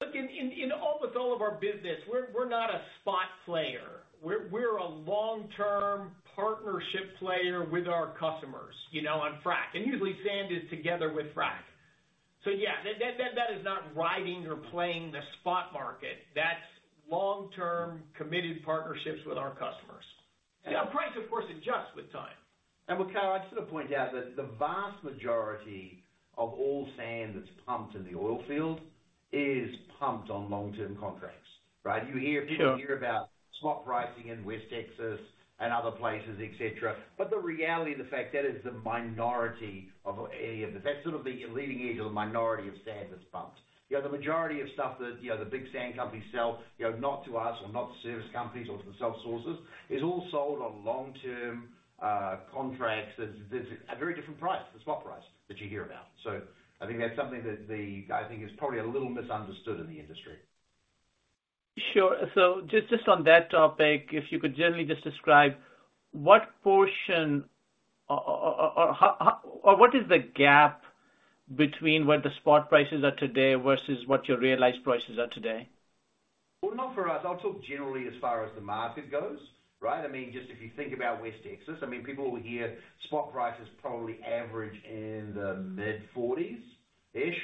Speaker 3: Look, in all with all of our business, we're not a spot player. We're a long-term partnership player with our customers, you know, on frac. Usually sand is together with frac. Yeah, that is not riding or playing the spot market. That's long-term committed partnerships with our customers. Yeah, price of course adjusts with time.
Speaker 4: Waqar Syed, I'd sort of point out that the vast majority of all sand that's pumped in the oil field is pumped on long-term contracts, right? You hear.
Speaker 10: Sure.
Speaker 4: People hear about spot pricing in West Texas and other places, et cetera. The reality of the fact, that is the minority of any of this. That's sort of the leading edge of the minority of sand that's pumped. You know, the majority of stuff that, you know, the big sand companies sell, you know, not to us or not to service companies or to the self-sourcers, is all sold on long-term, contracts at very different price, the spot price that you hear about. I think that's something that the, I think is probably a little misunderstood in the industry.
Speaker 10: Sure. Just on that topic, if you could generally just describe what portion or how, or what is the gap between what the spot prices are today versus what your realized prices are today?
Speaker 4: Well, not for us. I'll talk generally as far as the market goes, right? I mean, just if you think about West Texas, I mean, people will hear spot prices probably average in the mid-$40s-ish,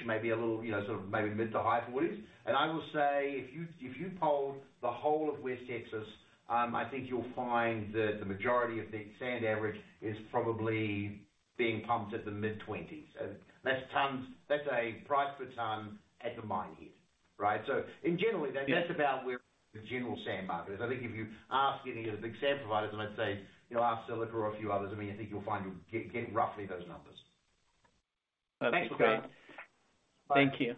Speaker 4: maybe a little, you know, sort of maybe mid- to high $40s. I will say if you polled the whole of West Texas, I think you'll find that the majority of the sand average is probably being pumped at the mid-$20s. That's tons. That's a price per ton at the mine head, right? In general.
Speaker 10: Yeah.
Speaker 4: That's about where the general sand market is. I think if you ask any of the big sand providers, and let's say, you know, ask Covia or a few others, I mean, I think you'll find you get roughly those numbers. Thanks, Waqar.
Speaker 10: Thank you.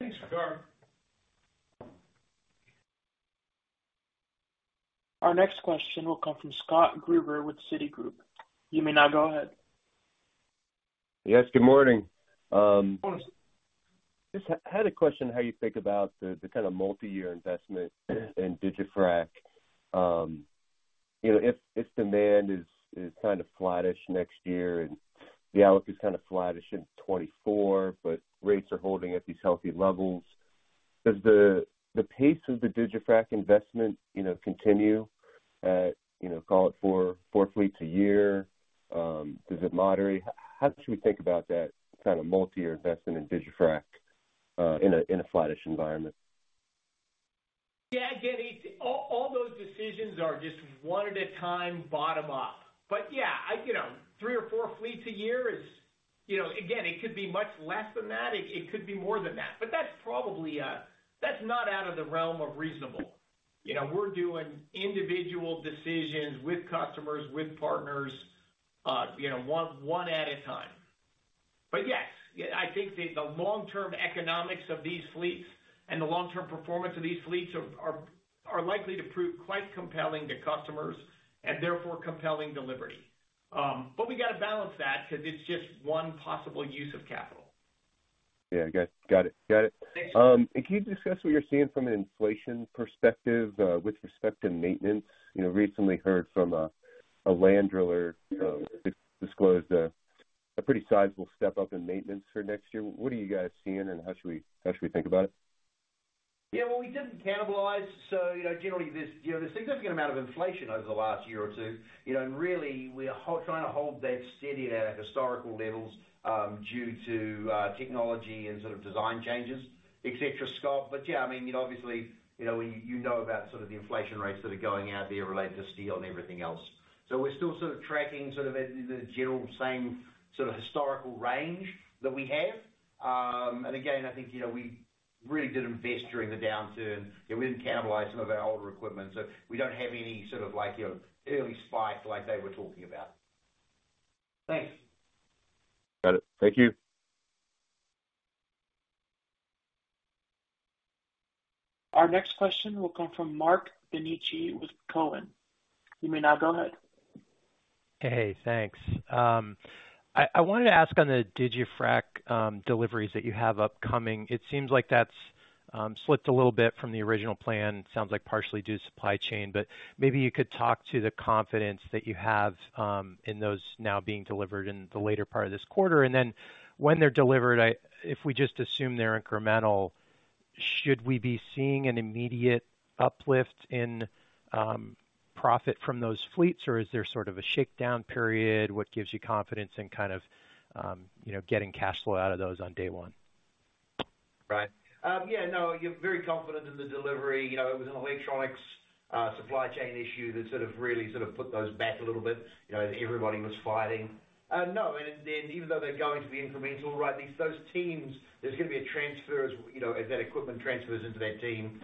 Speaker 3: Thanks, Waqar.
Speaker 1: Our next question will come from Scott Gruber with Citigroup. You may now go ahead.
Speaker 11: Yes, good morning.
Speaker 3: Morning, Scott.
Speaker 11: Just had a question how you think about the kind of multi-year investment in digiFrac. You know, if demand is kind of flattish next year and the outlook is kind of flattish in 2024, but rates are holding at these healthy levels, does the pace of the digiFrac investment, you know, continue at, you know, call it four fleets a year? Does it moderate? How should we think about that kind of multi-year investment in digiFrac in a flattish environment?
Speaker 3: Yeah, again, it's all those decisions are just one at a time, bottom up. Yeah, I you know, three or four fleets a year is, you know, again, it could be much less than that. It could be more than that. That's probably, that's not out of the realm of reasonable. You know, we're doing individual decisions with customers, with partners, you know, one at a time. Yes, yeah, I think the long-term economics of these fleets and the long-term performance of these fleets are likely to prove quite compelling to customers and therefore compelling delivery. We gotta balance that because it's just one possible use of capital.
Speaker 11: Yeah, got it. Got it.
Speaker 3: Thanks.
Speaker 11: Can you discuss what you're seeing from an inflation perspective with respect to maintenance? You know, recently heard from a land driller disclose a pretty sizable step up in maintenance for next year. What are you guys seeing and how should we think about it?
Speaker 4: Yeah. Well, we didn't cannibalize. You know, generally, there's you know there's significant amount of inflation over the last year or two. You know, really, we are trying to hold that steady at our historical levels due to technology and sort of design changes, et cetera, Scott. Yeah, I mean, you know, obviously, you know you know about sort of the inflation rates that are going out there related to steel and everything else. We're still sort of tracking sort of at the general same sort of historical range that we have. Again, I think, you know, we really did invest during the downturn. You know, we didn't cannibalize some of our older equipment. We don't have any sort of like you know early spike like they were talking about.
Speaker 3: Thanks.
Speaker 11: Got it. Thank you.
Speaker 1: Our next question will come from Marc Bianchi with Cowen. You may now go ahead.
Speaker 12: Hey, thanks. I wanted to ask on the digiFrac deliveries that you have upcoming. It seems like that's slipped a little bit from the original plan. Sounds like partially due to supply chain, but maybe you could talk to the confidence that you have in those now being delivered in the later part of this quarter. Then when they're delivered, if we just assume they're incremental, should we be seeing an immediate uplift in profit from those fleets, or is there sort of a shakedown period? What gives you confidence in kind of you know getting cash flow out of those on day one?
Speaker 4: Right. Yeah, no, you're very confident in the delivery. You know, it was an electronics supply chain issue that sort of really put those back a little bit. You know, everybody was fighting. No, and then even though they're going to be incremental, right, these, those teams, there's gonna be a transfer as, you know, as that equipment transfers into that team.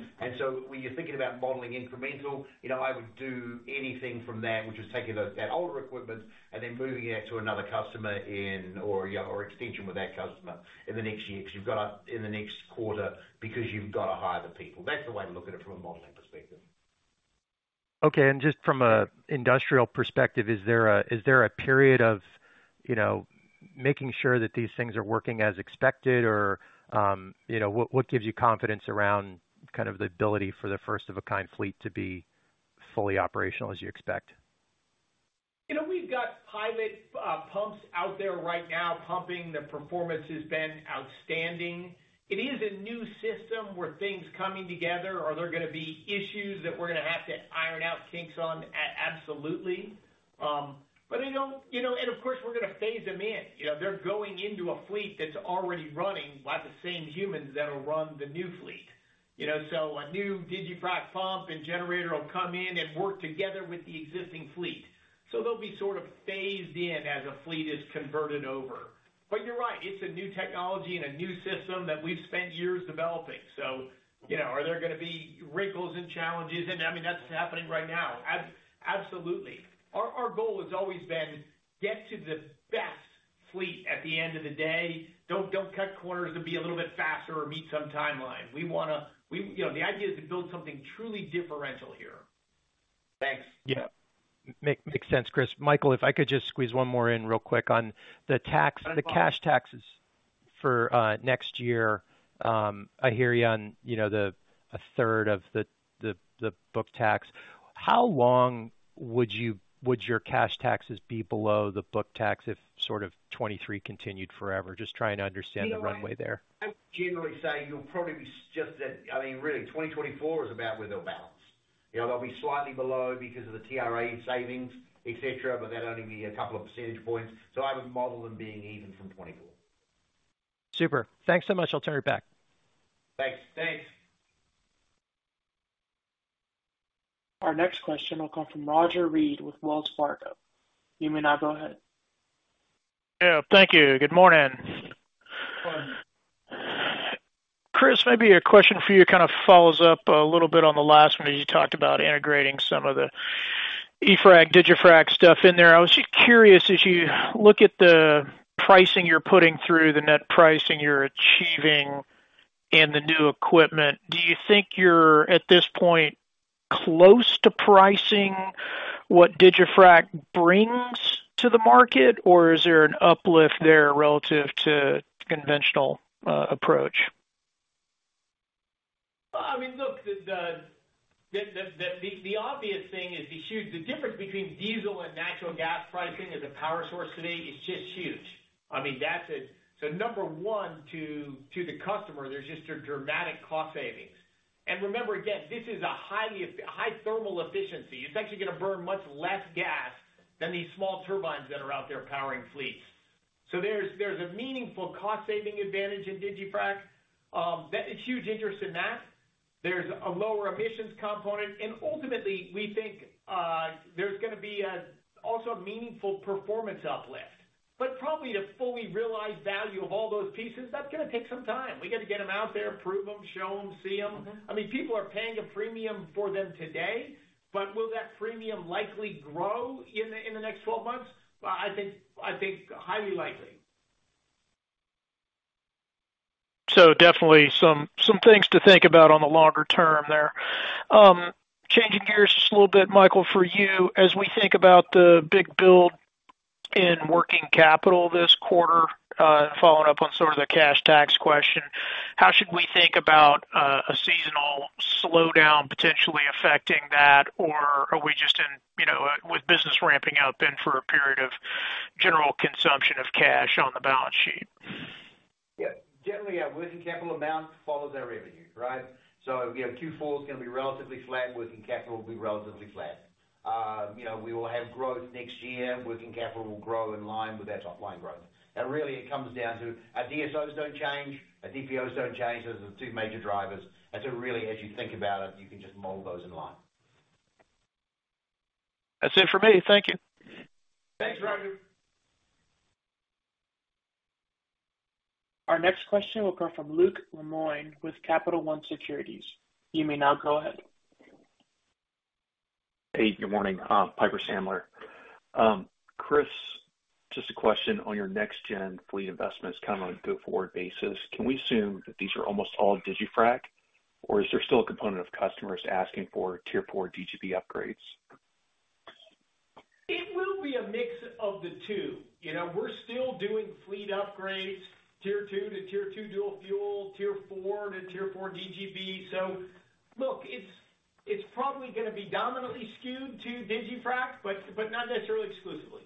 Speaker 4: When you're thinking about modeling incremental, you know, I would do nothing from that, which is taking that older equipment and then moving it to another customer in or, yeah, or extension with that customer in the next quarter, 'cause you've gotta hire the people. That's the way to look at it from a modeling perspective.
Speaker 12: Okay. Just from an industrial perspective, is there a period of, you know, making sure that these things are working as expected or, you know, what gives you confidence around kind of the ability for the first of a kind fleet to be fully operational as you expect?
Speaker 4: You know, we've got pilot pumps out there right now pumping. The performance has been outstanding. It is a new system where things coming together. Are there gonna be issues that we're gonna have to iron out kinks on? Absolutely. But, you know, and of course, we're gonna phase them in. You know, they're going into a fleet that's already running by the same humans that'll run the new fleet. You know, so a new digiFrac pump and generator will come in and work together with the existing fleet. So they'll be sort of phased in as a fleet is converted over. But you're right, it's a new technology and a new system that we've spent years developing. So, you know, are there gonna be wrinkles and challenges? I mean, that's happening right now. Absolutely. Our goal has always been to get to the best fleet at the end of the day. Don't cut corners to be a little bit faster or meet some timeline. You know, the idea is to build something truly differentiated here.
Speaker 12: Thanks.
Speaker 4: Yeah.
Speaker 12: Makes sense, Chris. Michael, if I could just squeeze one more in real quick on the tax.
Speaker 4: That's fine.
Speaker 12: The cash taxes for next year. I hear you on, you know, a third of the book tax. How long would your cash taxes be below the book tax if sort of 2023 continued forever? Just trying to understand the runway there.
Speaker 4: I would generally say, I mean, really, 2024 is about where they'll balance. You know, they'll be slightly below because of the TRA savings, et cetera, but that'll only be a couple of percentage points. I would model them being even from 2024.
Speaker 12: Super. Thanks so much. I'll turn it back.
Speaker 4: Thanks. Thanks.
Speaker 1: Our next question will come from Roger Read with Wells Fargo. You may now go ahead.
Speaker 13: Yeah. Thank you. Good morning.
Speaker 3: Good morning.
Speaker 13: Chris, maybe a question for you kind of follows up a little bit on the last one as you talked about integrating some of the eFrac, digiFrac stuff in there. I was just curious, as you look at the pricing you're putting through, the net pricing you're achieving in the new equipment, do you think you're, at this point, close to pricing what digiFrac brings to the market, or is there an uplift there relative to conventional approach?
Speaker 3: Well, I mean, look, the obvious thing is the huge difference between diesel and natural gas pricing as a power source today is just huge. I mean, number one, to the customer, there's just a dramatic cost savings. Remember, again, this is a highly high thermal efficiency. It's actually gonna burn much less gas than these small turbines that are out there powering fleets. There's a meaningful cost saving advantage in digiFrac that is huge interest in that. There's a lower emissions component. Ultimately, we think, there's gonna be also a meaningful performance uplift. Probably to fully realize value of all those pieces, that's gonna take some time. We got to get them out there, prove them, show them, see them. I mean, people are paying a premium for them today, but will that premium likely grow in the next 12 months? Well, I think highly likely.
Speaker 13: Definitely some things to think about on the longer term there. Changing gears just a little bit, Michael, for you. As we think about the big build in working capital this quarter, following up on sort of the cash tax question, how should we think about a seasonal slowdown potentially affecting that? Or are we just in, you know, with business ramping up and for a period of general consumption of cash on the balance sheet?
Speaker 4: Yeah. Generally, our working capital amount follows our revenue, right? If we have Q4 is gonna be relatively flat, working capital will be relatively flat. You know, we will have growth next year. Working capital will grow in line with that top line growth. Really it comes down to our DSO don't change, our DPO don't change. Those are the two major drivers. Really, as you think about it, you can just model those in line.
Speaker 13: That's it for me. Thank you.
Speaker 3: Thanks, Roger.
Speaker 1: Our next question will come from Luke Lemoine with Capital One Securities. You may now go ahead.
Speaker 14: Hey, good morning, Piper Sandler. Chris, just a question on your next-gen fleet investments kind of on a go-forward basis. Can we assume that these are almost all digiFrac, or is there still a component of customers asking for Tier 4 DGB upgrades?
Speaker 3: It will be a mix of the two. You know, we're still doing fleet upgrades, Tier 2 to Tier 2 dual fuel, Tier 4 to Tier 4 DGB. Look, it's probably gonna be dominantly skewed to digiFrac, but not necessarily exclusively.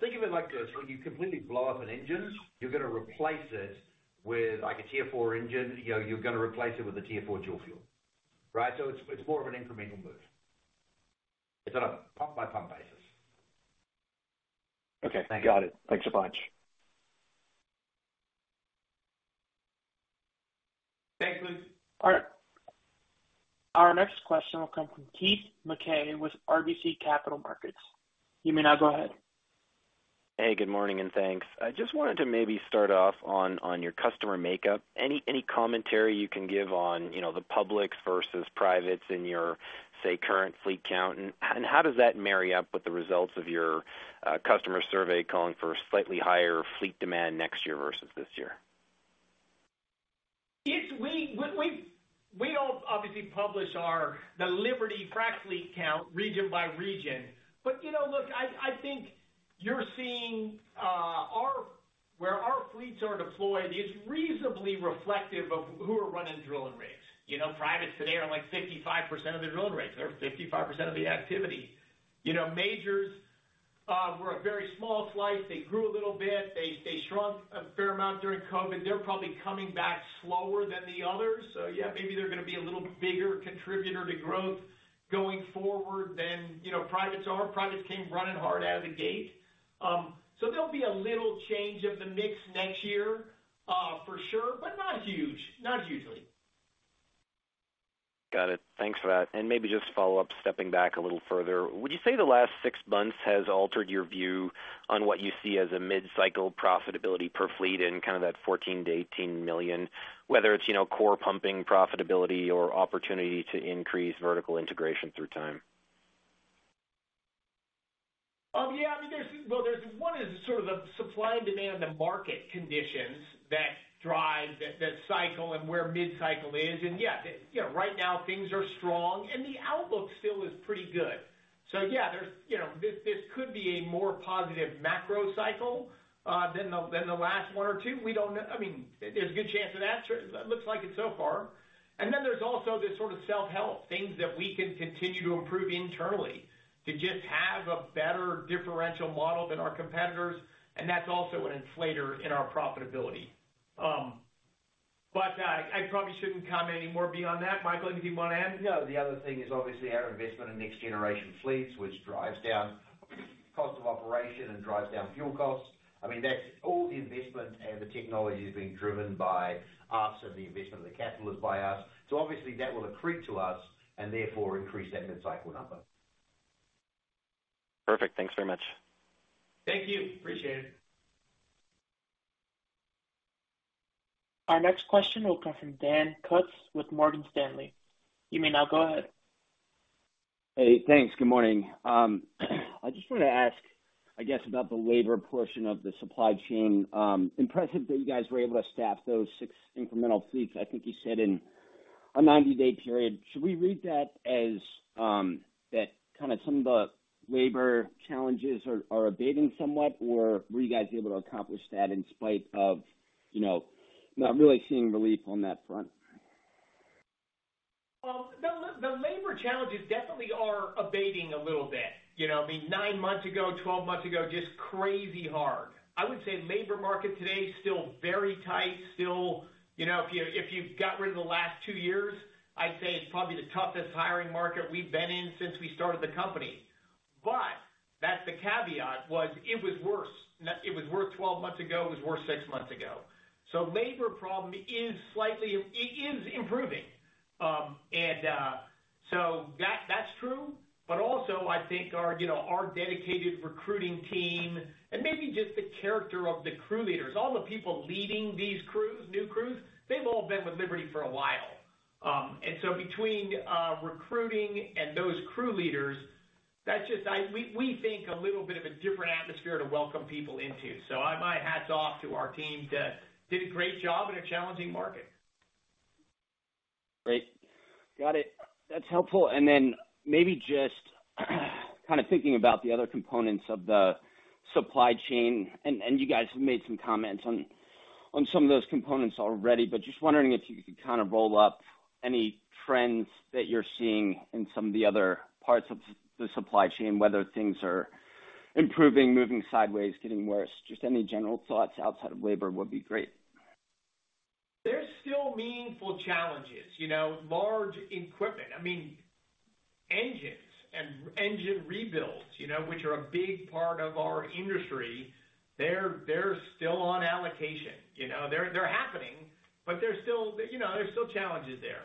Speaker 4: Think of it like this, when you completely blow up an engine, you're gonna replace it with like a Tier 4 engine. You know, you're gonna replace it with a Tier 4 dual fuel, right? It's more of an incremental move. It's on a pump by pump basis.
Speaker 14: Okay, got it. Thanks a bunch.
Speaker 3: Thanks, Luke.
Speaker 1: All right. Our next question will come from Keith Mackey with RBC Capital Markets. You may now go ahead.
Speaker 15: Hey, good morning, and thanks. I just wanted to maybe start off on your customer makeup. Any commentary you can give on, you know, the public versus privates in your, say, current fleet count? How does that marry up with the results of your customer survey calling for slightly higher fleet demand next year versus this year?
Speaker 3: We don't obviously publish the Liberty frac fleet count region by region. You know, look, I think you're seeing where our fleets are deployed, it's reasonably reflective of who are running drilling rigs. You know, privates today are like 55% of the drilling rigs. They're 55% of the activity. You know, majors were a very small slice. They grew a little bit. They shrunk a fair amount during COVID. They're probably coming back slower than the others. Yeah, maybe they're gonna be a little bit bigger contributor to growth going forward than, you know, privates are. Privates came running hard out of the gate. There'll be a little change of the mix next year, for sure, but not huge. Not hugely.
Speaker 15: Got it. Thanks for that. Maybe just to follow up, stepping back a little further, would you say the last six months has altered your view on what you see as a mid-cycle profitability per fleet in kind of that $14 million-$18 million, whether it's, you know, core pumping profitability or opportunity to increase vertical integration through time?
Speaker 3: Yeah, I mean, well, there's one is sort of the supply and demand and market conditions that drive that cycle and where mid-cycle is. Yeah, you know, right now things are strong, and the outlook still is pretty good. Yeah, there's, you know, this could be a more positive macro cycle than the last one or two. We don't know. I mean, there's a good chance of that. Sure. It looks like it so far. Then there's also this sort of self-help things that we can continue to improve internally to just have a better differential model than our competitors, and that's also an inflator in our profitability. But, I probably shouldn't comment any more beyond that. Michael, anything you want to add?
Speaker 4: No. The other thing is obviously our investment in next-generation fleets, which drives down cost of operation and drives down fuel costs. I mean, that's all the investment and the technology is being driven by us and the investment of the capital is by us. Obviously that will accrete to us and therefore increase that mid-cycle number.
Speaker 15: Perfect. Thanks very much.
Speaker 3: Thank you. Appreciate it.
Speaker 1: Our next question will come from Dan Kutz with Morgan Stanley. You may now go ahead.
Speaker 16: Hey, thanks. Good morning. I just wanna ask, I guess, about the labor portion of the supply chain. Impressive that you guys were able to staff those six incremental fleets, I think you said in a 90-day period. Should we read that as that kinda some of the labor challenges are abating somewhat, or were you guys able to accomplish that in spite of, you know, not really seeing relief on that front?
Speaker 3: The labor challenges definitely are abating a little bit. You know, I mean, nine months ago, 12 months ago, just crazy hard. I would say labor market today is still very tight, still. You know, if you got rid of the last two years, I'd say it's probably the toughest hiring market we've been in since we started the company. That's the caveat, it was worse. It was worse 12 months ago. It was worse six months ago. Labor problem is slightly improving. That's true. Also I think our, you know, our dedicated recruiting team and maybe just the character of the crew leaders, all the people leading these crews, new crews, they've all been with Liberty for a while. Between recruiting and those crew leaders, that's just we think a little bit of a different atmosphere to welcome people into. My hat's off to our team that did a great job in a challenging market.
Speaker 16: Great. Got it. That's helpful. Maybe just kind of thinking about the other components of the supply chain, and you guys have made some comments on some of those components already, but just wondering if you could kind of roll up any trends that you're seeing in some of the other parts of supply chain, whether things are improving, moving sideways, getting worse. Just any general thoughts outside of labor would be great.
Speaker 3: There's still meaningful challenges, you know. Large equipment. I mean, engines and engine rebuilds, you know, which are a big part of our industry, they're still on allocation. You know, they're happening, but there's still, you know, challenges there.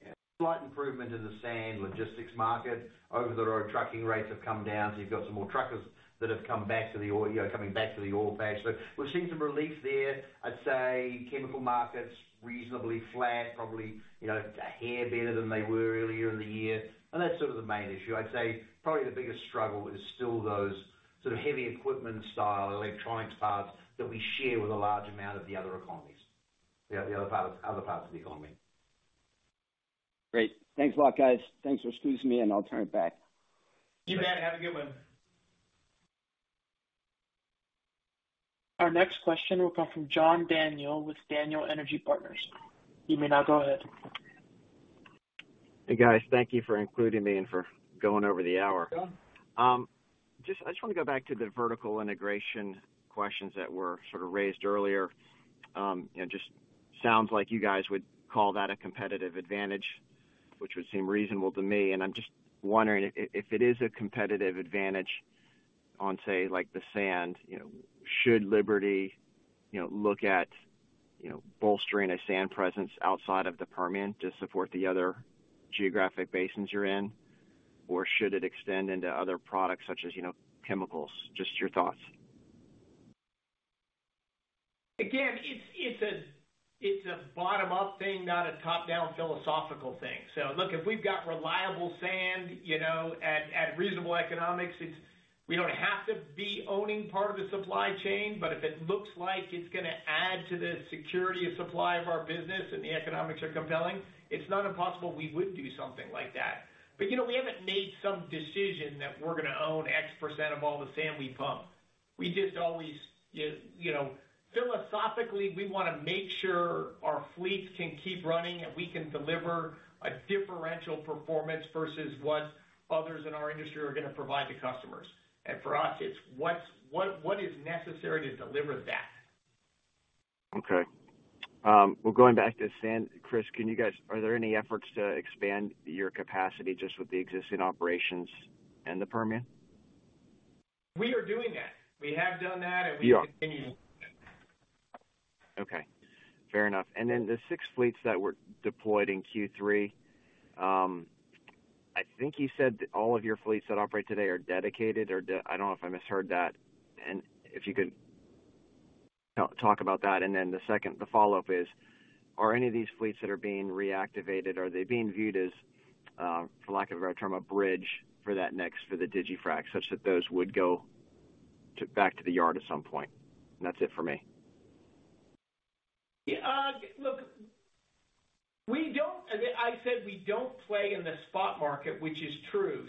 Speaker 4: Yeah. Slight improvement in the sand logistics market. Over-the-road trucking rates have come down, so you've got some more truckers that have come back to the oil, you know, coming back to the oil patch. We're seeing some relief there. I'd say chemical markets reasonably flat, probably, you know, a hair better than they were earlier in the year, and that's sort of the main issue. I'd say probably the biggest struggle is still those sort of heavy equipment style electronics parts that we share with a large amount of the other economies. Yeah, other parts of the economy.
Speaker 16: Great. Thanks a lot, guys. Thanks for squeezing me in. I'll turn it back.
Speaker 3: See you, Dan. Have a good one.
Speaker 1: Our next question will come from John Daniel with Daniel Energy Partners. You may now go ahead.
Speaker 17: Hey, guys. Thank you for including me and for going over the hour.
Speaker 3: Yeah.
Speaker 17: I just want to go back to the vertical integration questions that were sort of raised earlier. You know, just sounds like you guys would call that a competitive advantage. Which would seem reasonable to me. I'm just wondering if it is a competitive advantage on, say, like, the sand, you know, should Liberty, you know, look at, you know, bolstering a sand presence outside of the Permian to support the other geographic basins you're in? Or should it extend into other products such as, you know, chemicals? Just your thoughts.
Speaker 3: Again, it's a bottom-up thing, not a top-down philosophical thing. Look, if we've got reliable sand, you know, at reasonable economics, it's. We don't have to be owning part of the supply chain. If it looks like it's gonna add to the security of supply of our business and the economics are compelling, it's not impossible we would do something like that. You know, we haven't made some decision that we're gonna own X% of all the sand we pump. We just always, you know, philosophically, we wanna make sure our fleets can keep running and we can deliver a differential performance versus what others in our industry are gonna provide to customers. For us, it's what is necessary to deliver that.
Speaker 17: Okay. Well, going back to sand. Chris, are there any efforts to expand your capacity just with the existing operations in the Permian?
Speaker 3: We are doing that. We have done that.
Speaker 4: We are.
Speaker 3: We continue to do that.
Speaker 17: Okay. Fair enough. The six fleets that were deployed in Q3, I think you said all of your fleets that operate today are dedicated or. I don't know if I misheard that. If you could talk about that. The second, the follow-up is, are any of these fleets that are being reactivated, are they being viewed as, for lack of a better term, a bridge for that next for the digiFrac, such that those would go to back to the yard at some point? That's it for me.
Speaker 3: Yeah. Look, I said we don't play in the spot market, which is true.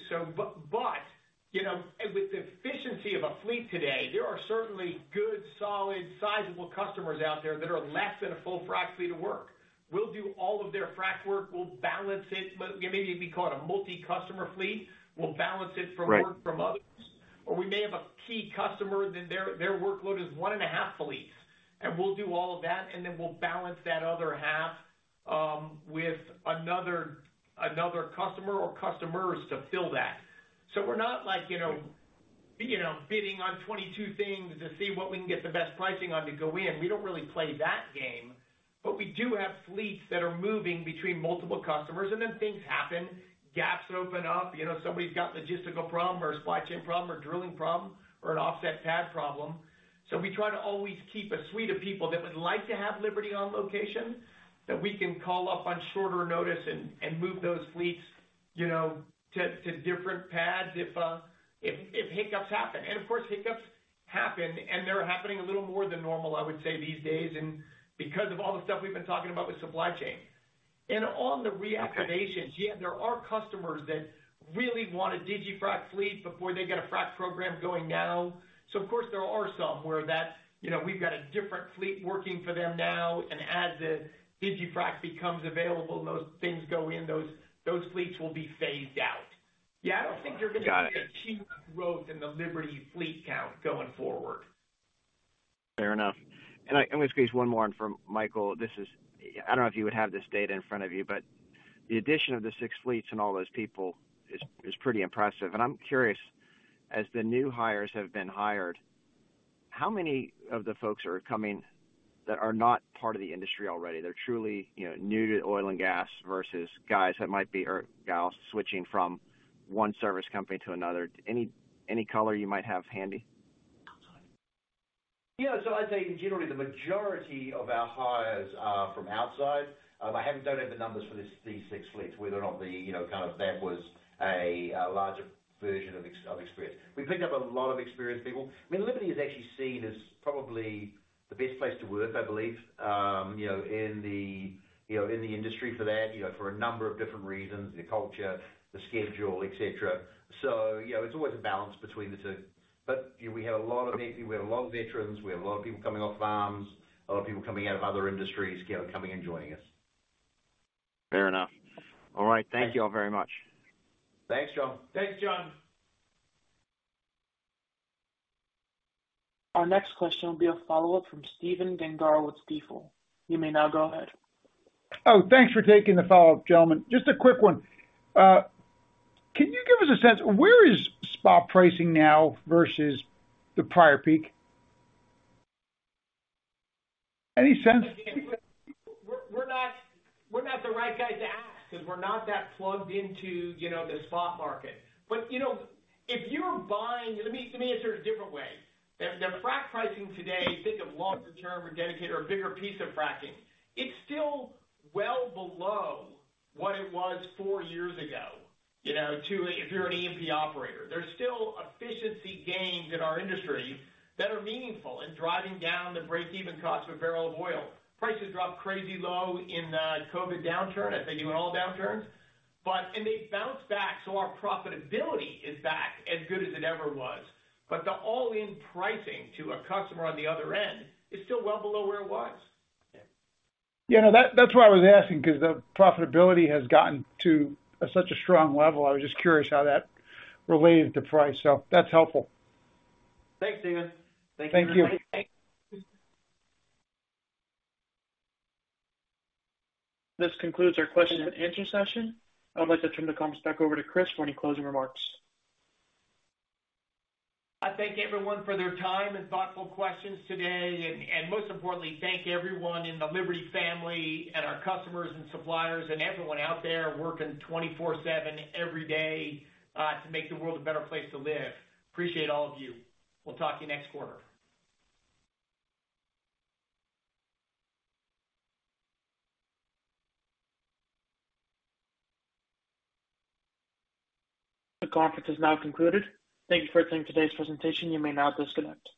Speaker 3: You know, with the efficiency of a fleet today, there are certainly good, solid, sizable customers out there that are less than a full frac fleet of work. We'll do all of their frac work. We'll balance it. Maybe it'd be called a multi-customer fleet. We'll balance it from.
Speaker 17: Right.
Speaker 3: Work from others. We may have a key customer, then their workload is one and a half fleets, and we'll do all of that, and then we'll balance that other half with another customer or customers to fill that. We're not like, you know, bidding on 22 things to see what we can get the best pricing on to go in. We don't really play that game. We do have fleets that are moving between multiple customers. Then things happen, gaps open up. You know, somebody's got logistical problem or a supply chain problem or drilling problem or an offset pad problem. We try to always keep a suite of people that would like to have Liberty on location that we can call up on shorter notice and move those fleets, you know, to different pads if hiccups happen. Of course, hiccups happen, and they're happening a little more than normal, I would say, these days and because of all the stuff we've been talking about with supply chain. On the reactivation, yeah, there are customers that really want a digiFrac fleet before they get a frac program going now. Of course, there are some where that's, you know, we've got a different fleet working for them now, and as the digiFrac becomes available and those things go in, those fleets will be phased out. Yeah, I don't think you're gonna see a huge growth in the Liberty fleet count going forward.
Speaker 17: Fair enough. I'm gonna squeeze one more in for Michael. I don't know if you would have this data in front of you, but the addition of the six fleets and all those people is pretty impressive. I'm curious, as the new hires have been hired, how many of the folks are coming that are not part of the industry already? They're truly, you know, new to oil and gas versus guys that might be, or gals, switching from one service company to another. Any color you might have handy?
Speaker 4: Yeah. I'd say generally the majority of our hires are from outside. I don't have the numbers for this, these six fleets, whether or not, you know, kind of that was a larger version of experienced. We've picked up a lot of experienced people. I mean, Liberty is actually seen as probably the best place to work, I believe, you know, in the industry for that, you know, for a number of different reasons, the culture, the schedule, et cetera. It's always a balance between the two. You know, we have a lot of veterans, we have a lot of people coming off farms, a lot of people coming out of other industries, you know, coming and joining us.
Speaker 17: Fair enough. All right. Thank you all very much.
Speaker 4: Thanks, John.
Speaker 3: Thanks, John.
Speaker 1: Our next question will be a follow-up from Stephen Gengaro with Stifel. You may now go ahead.
Speaker 7: Oh, thanks for taking the follow-up, gentlemen. Just a quick one. Can you give us a sense of where is spot pricing now versus the prior peak? Any sense?
Speaker 3: We're not the right guy to ask because we're not that plugged into, you know, the spot market. You know, if you're buying. Let me answer a different way. The frac pricing today, think of longer term or dedicated or bigger piece of fracking, it's still well below what it was four years ago, you know, to an if you're an E&P operator. There's still efficiency gains in our industry that are meaningful in driving down the break-even cost of a barrel of oil. Prices dropped crazy low in the COVID downturn, as they do in all downturns. They bounced back, so our profitability is back as good as it ever was. The all-in pricing to a customer on the other end is still well below where it was.
Speaker 7: Yeah. No, that's why I was asking, 'cause the profitability has gotten to such a strong level. I was just curious how that relates to price. That's helpful.
Speaker 3: Thanks, Stephen.
Speaker 7: Thank you.
Speaker 3: Thanks.
Speaker 1: This concludes our question-and-answer session. I would like to turn the comments back over to Chris for any closing remarks.
Speaker 3: I thank everyone for their time and thoughtful questions today. Most importantly, thank everyone in the Liberty family and our customers and suppliers and everyone out there working 24/7 every day to make the world a better place to live. Appreciate all of you. We'll talk to you next quarter.
Speaker 1: The conference is now concluded. Thank you for attending today's presentation. You may now disconnect.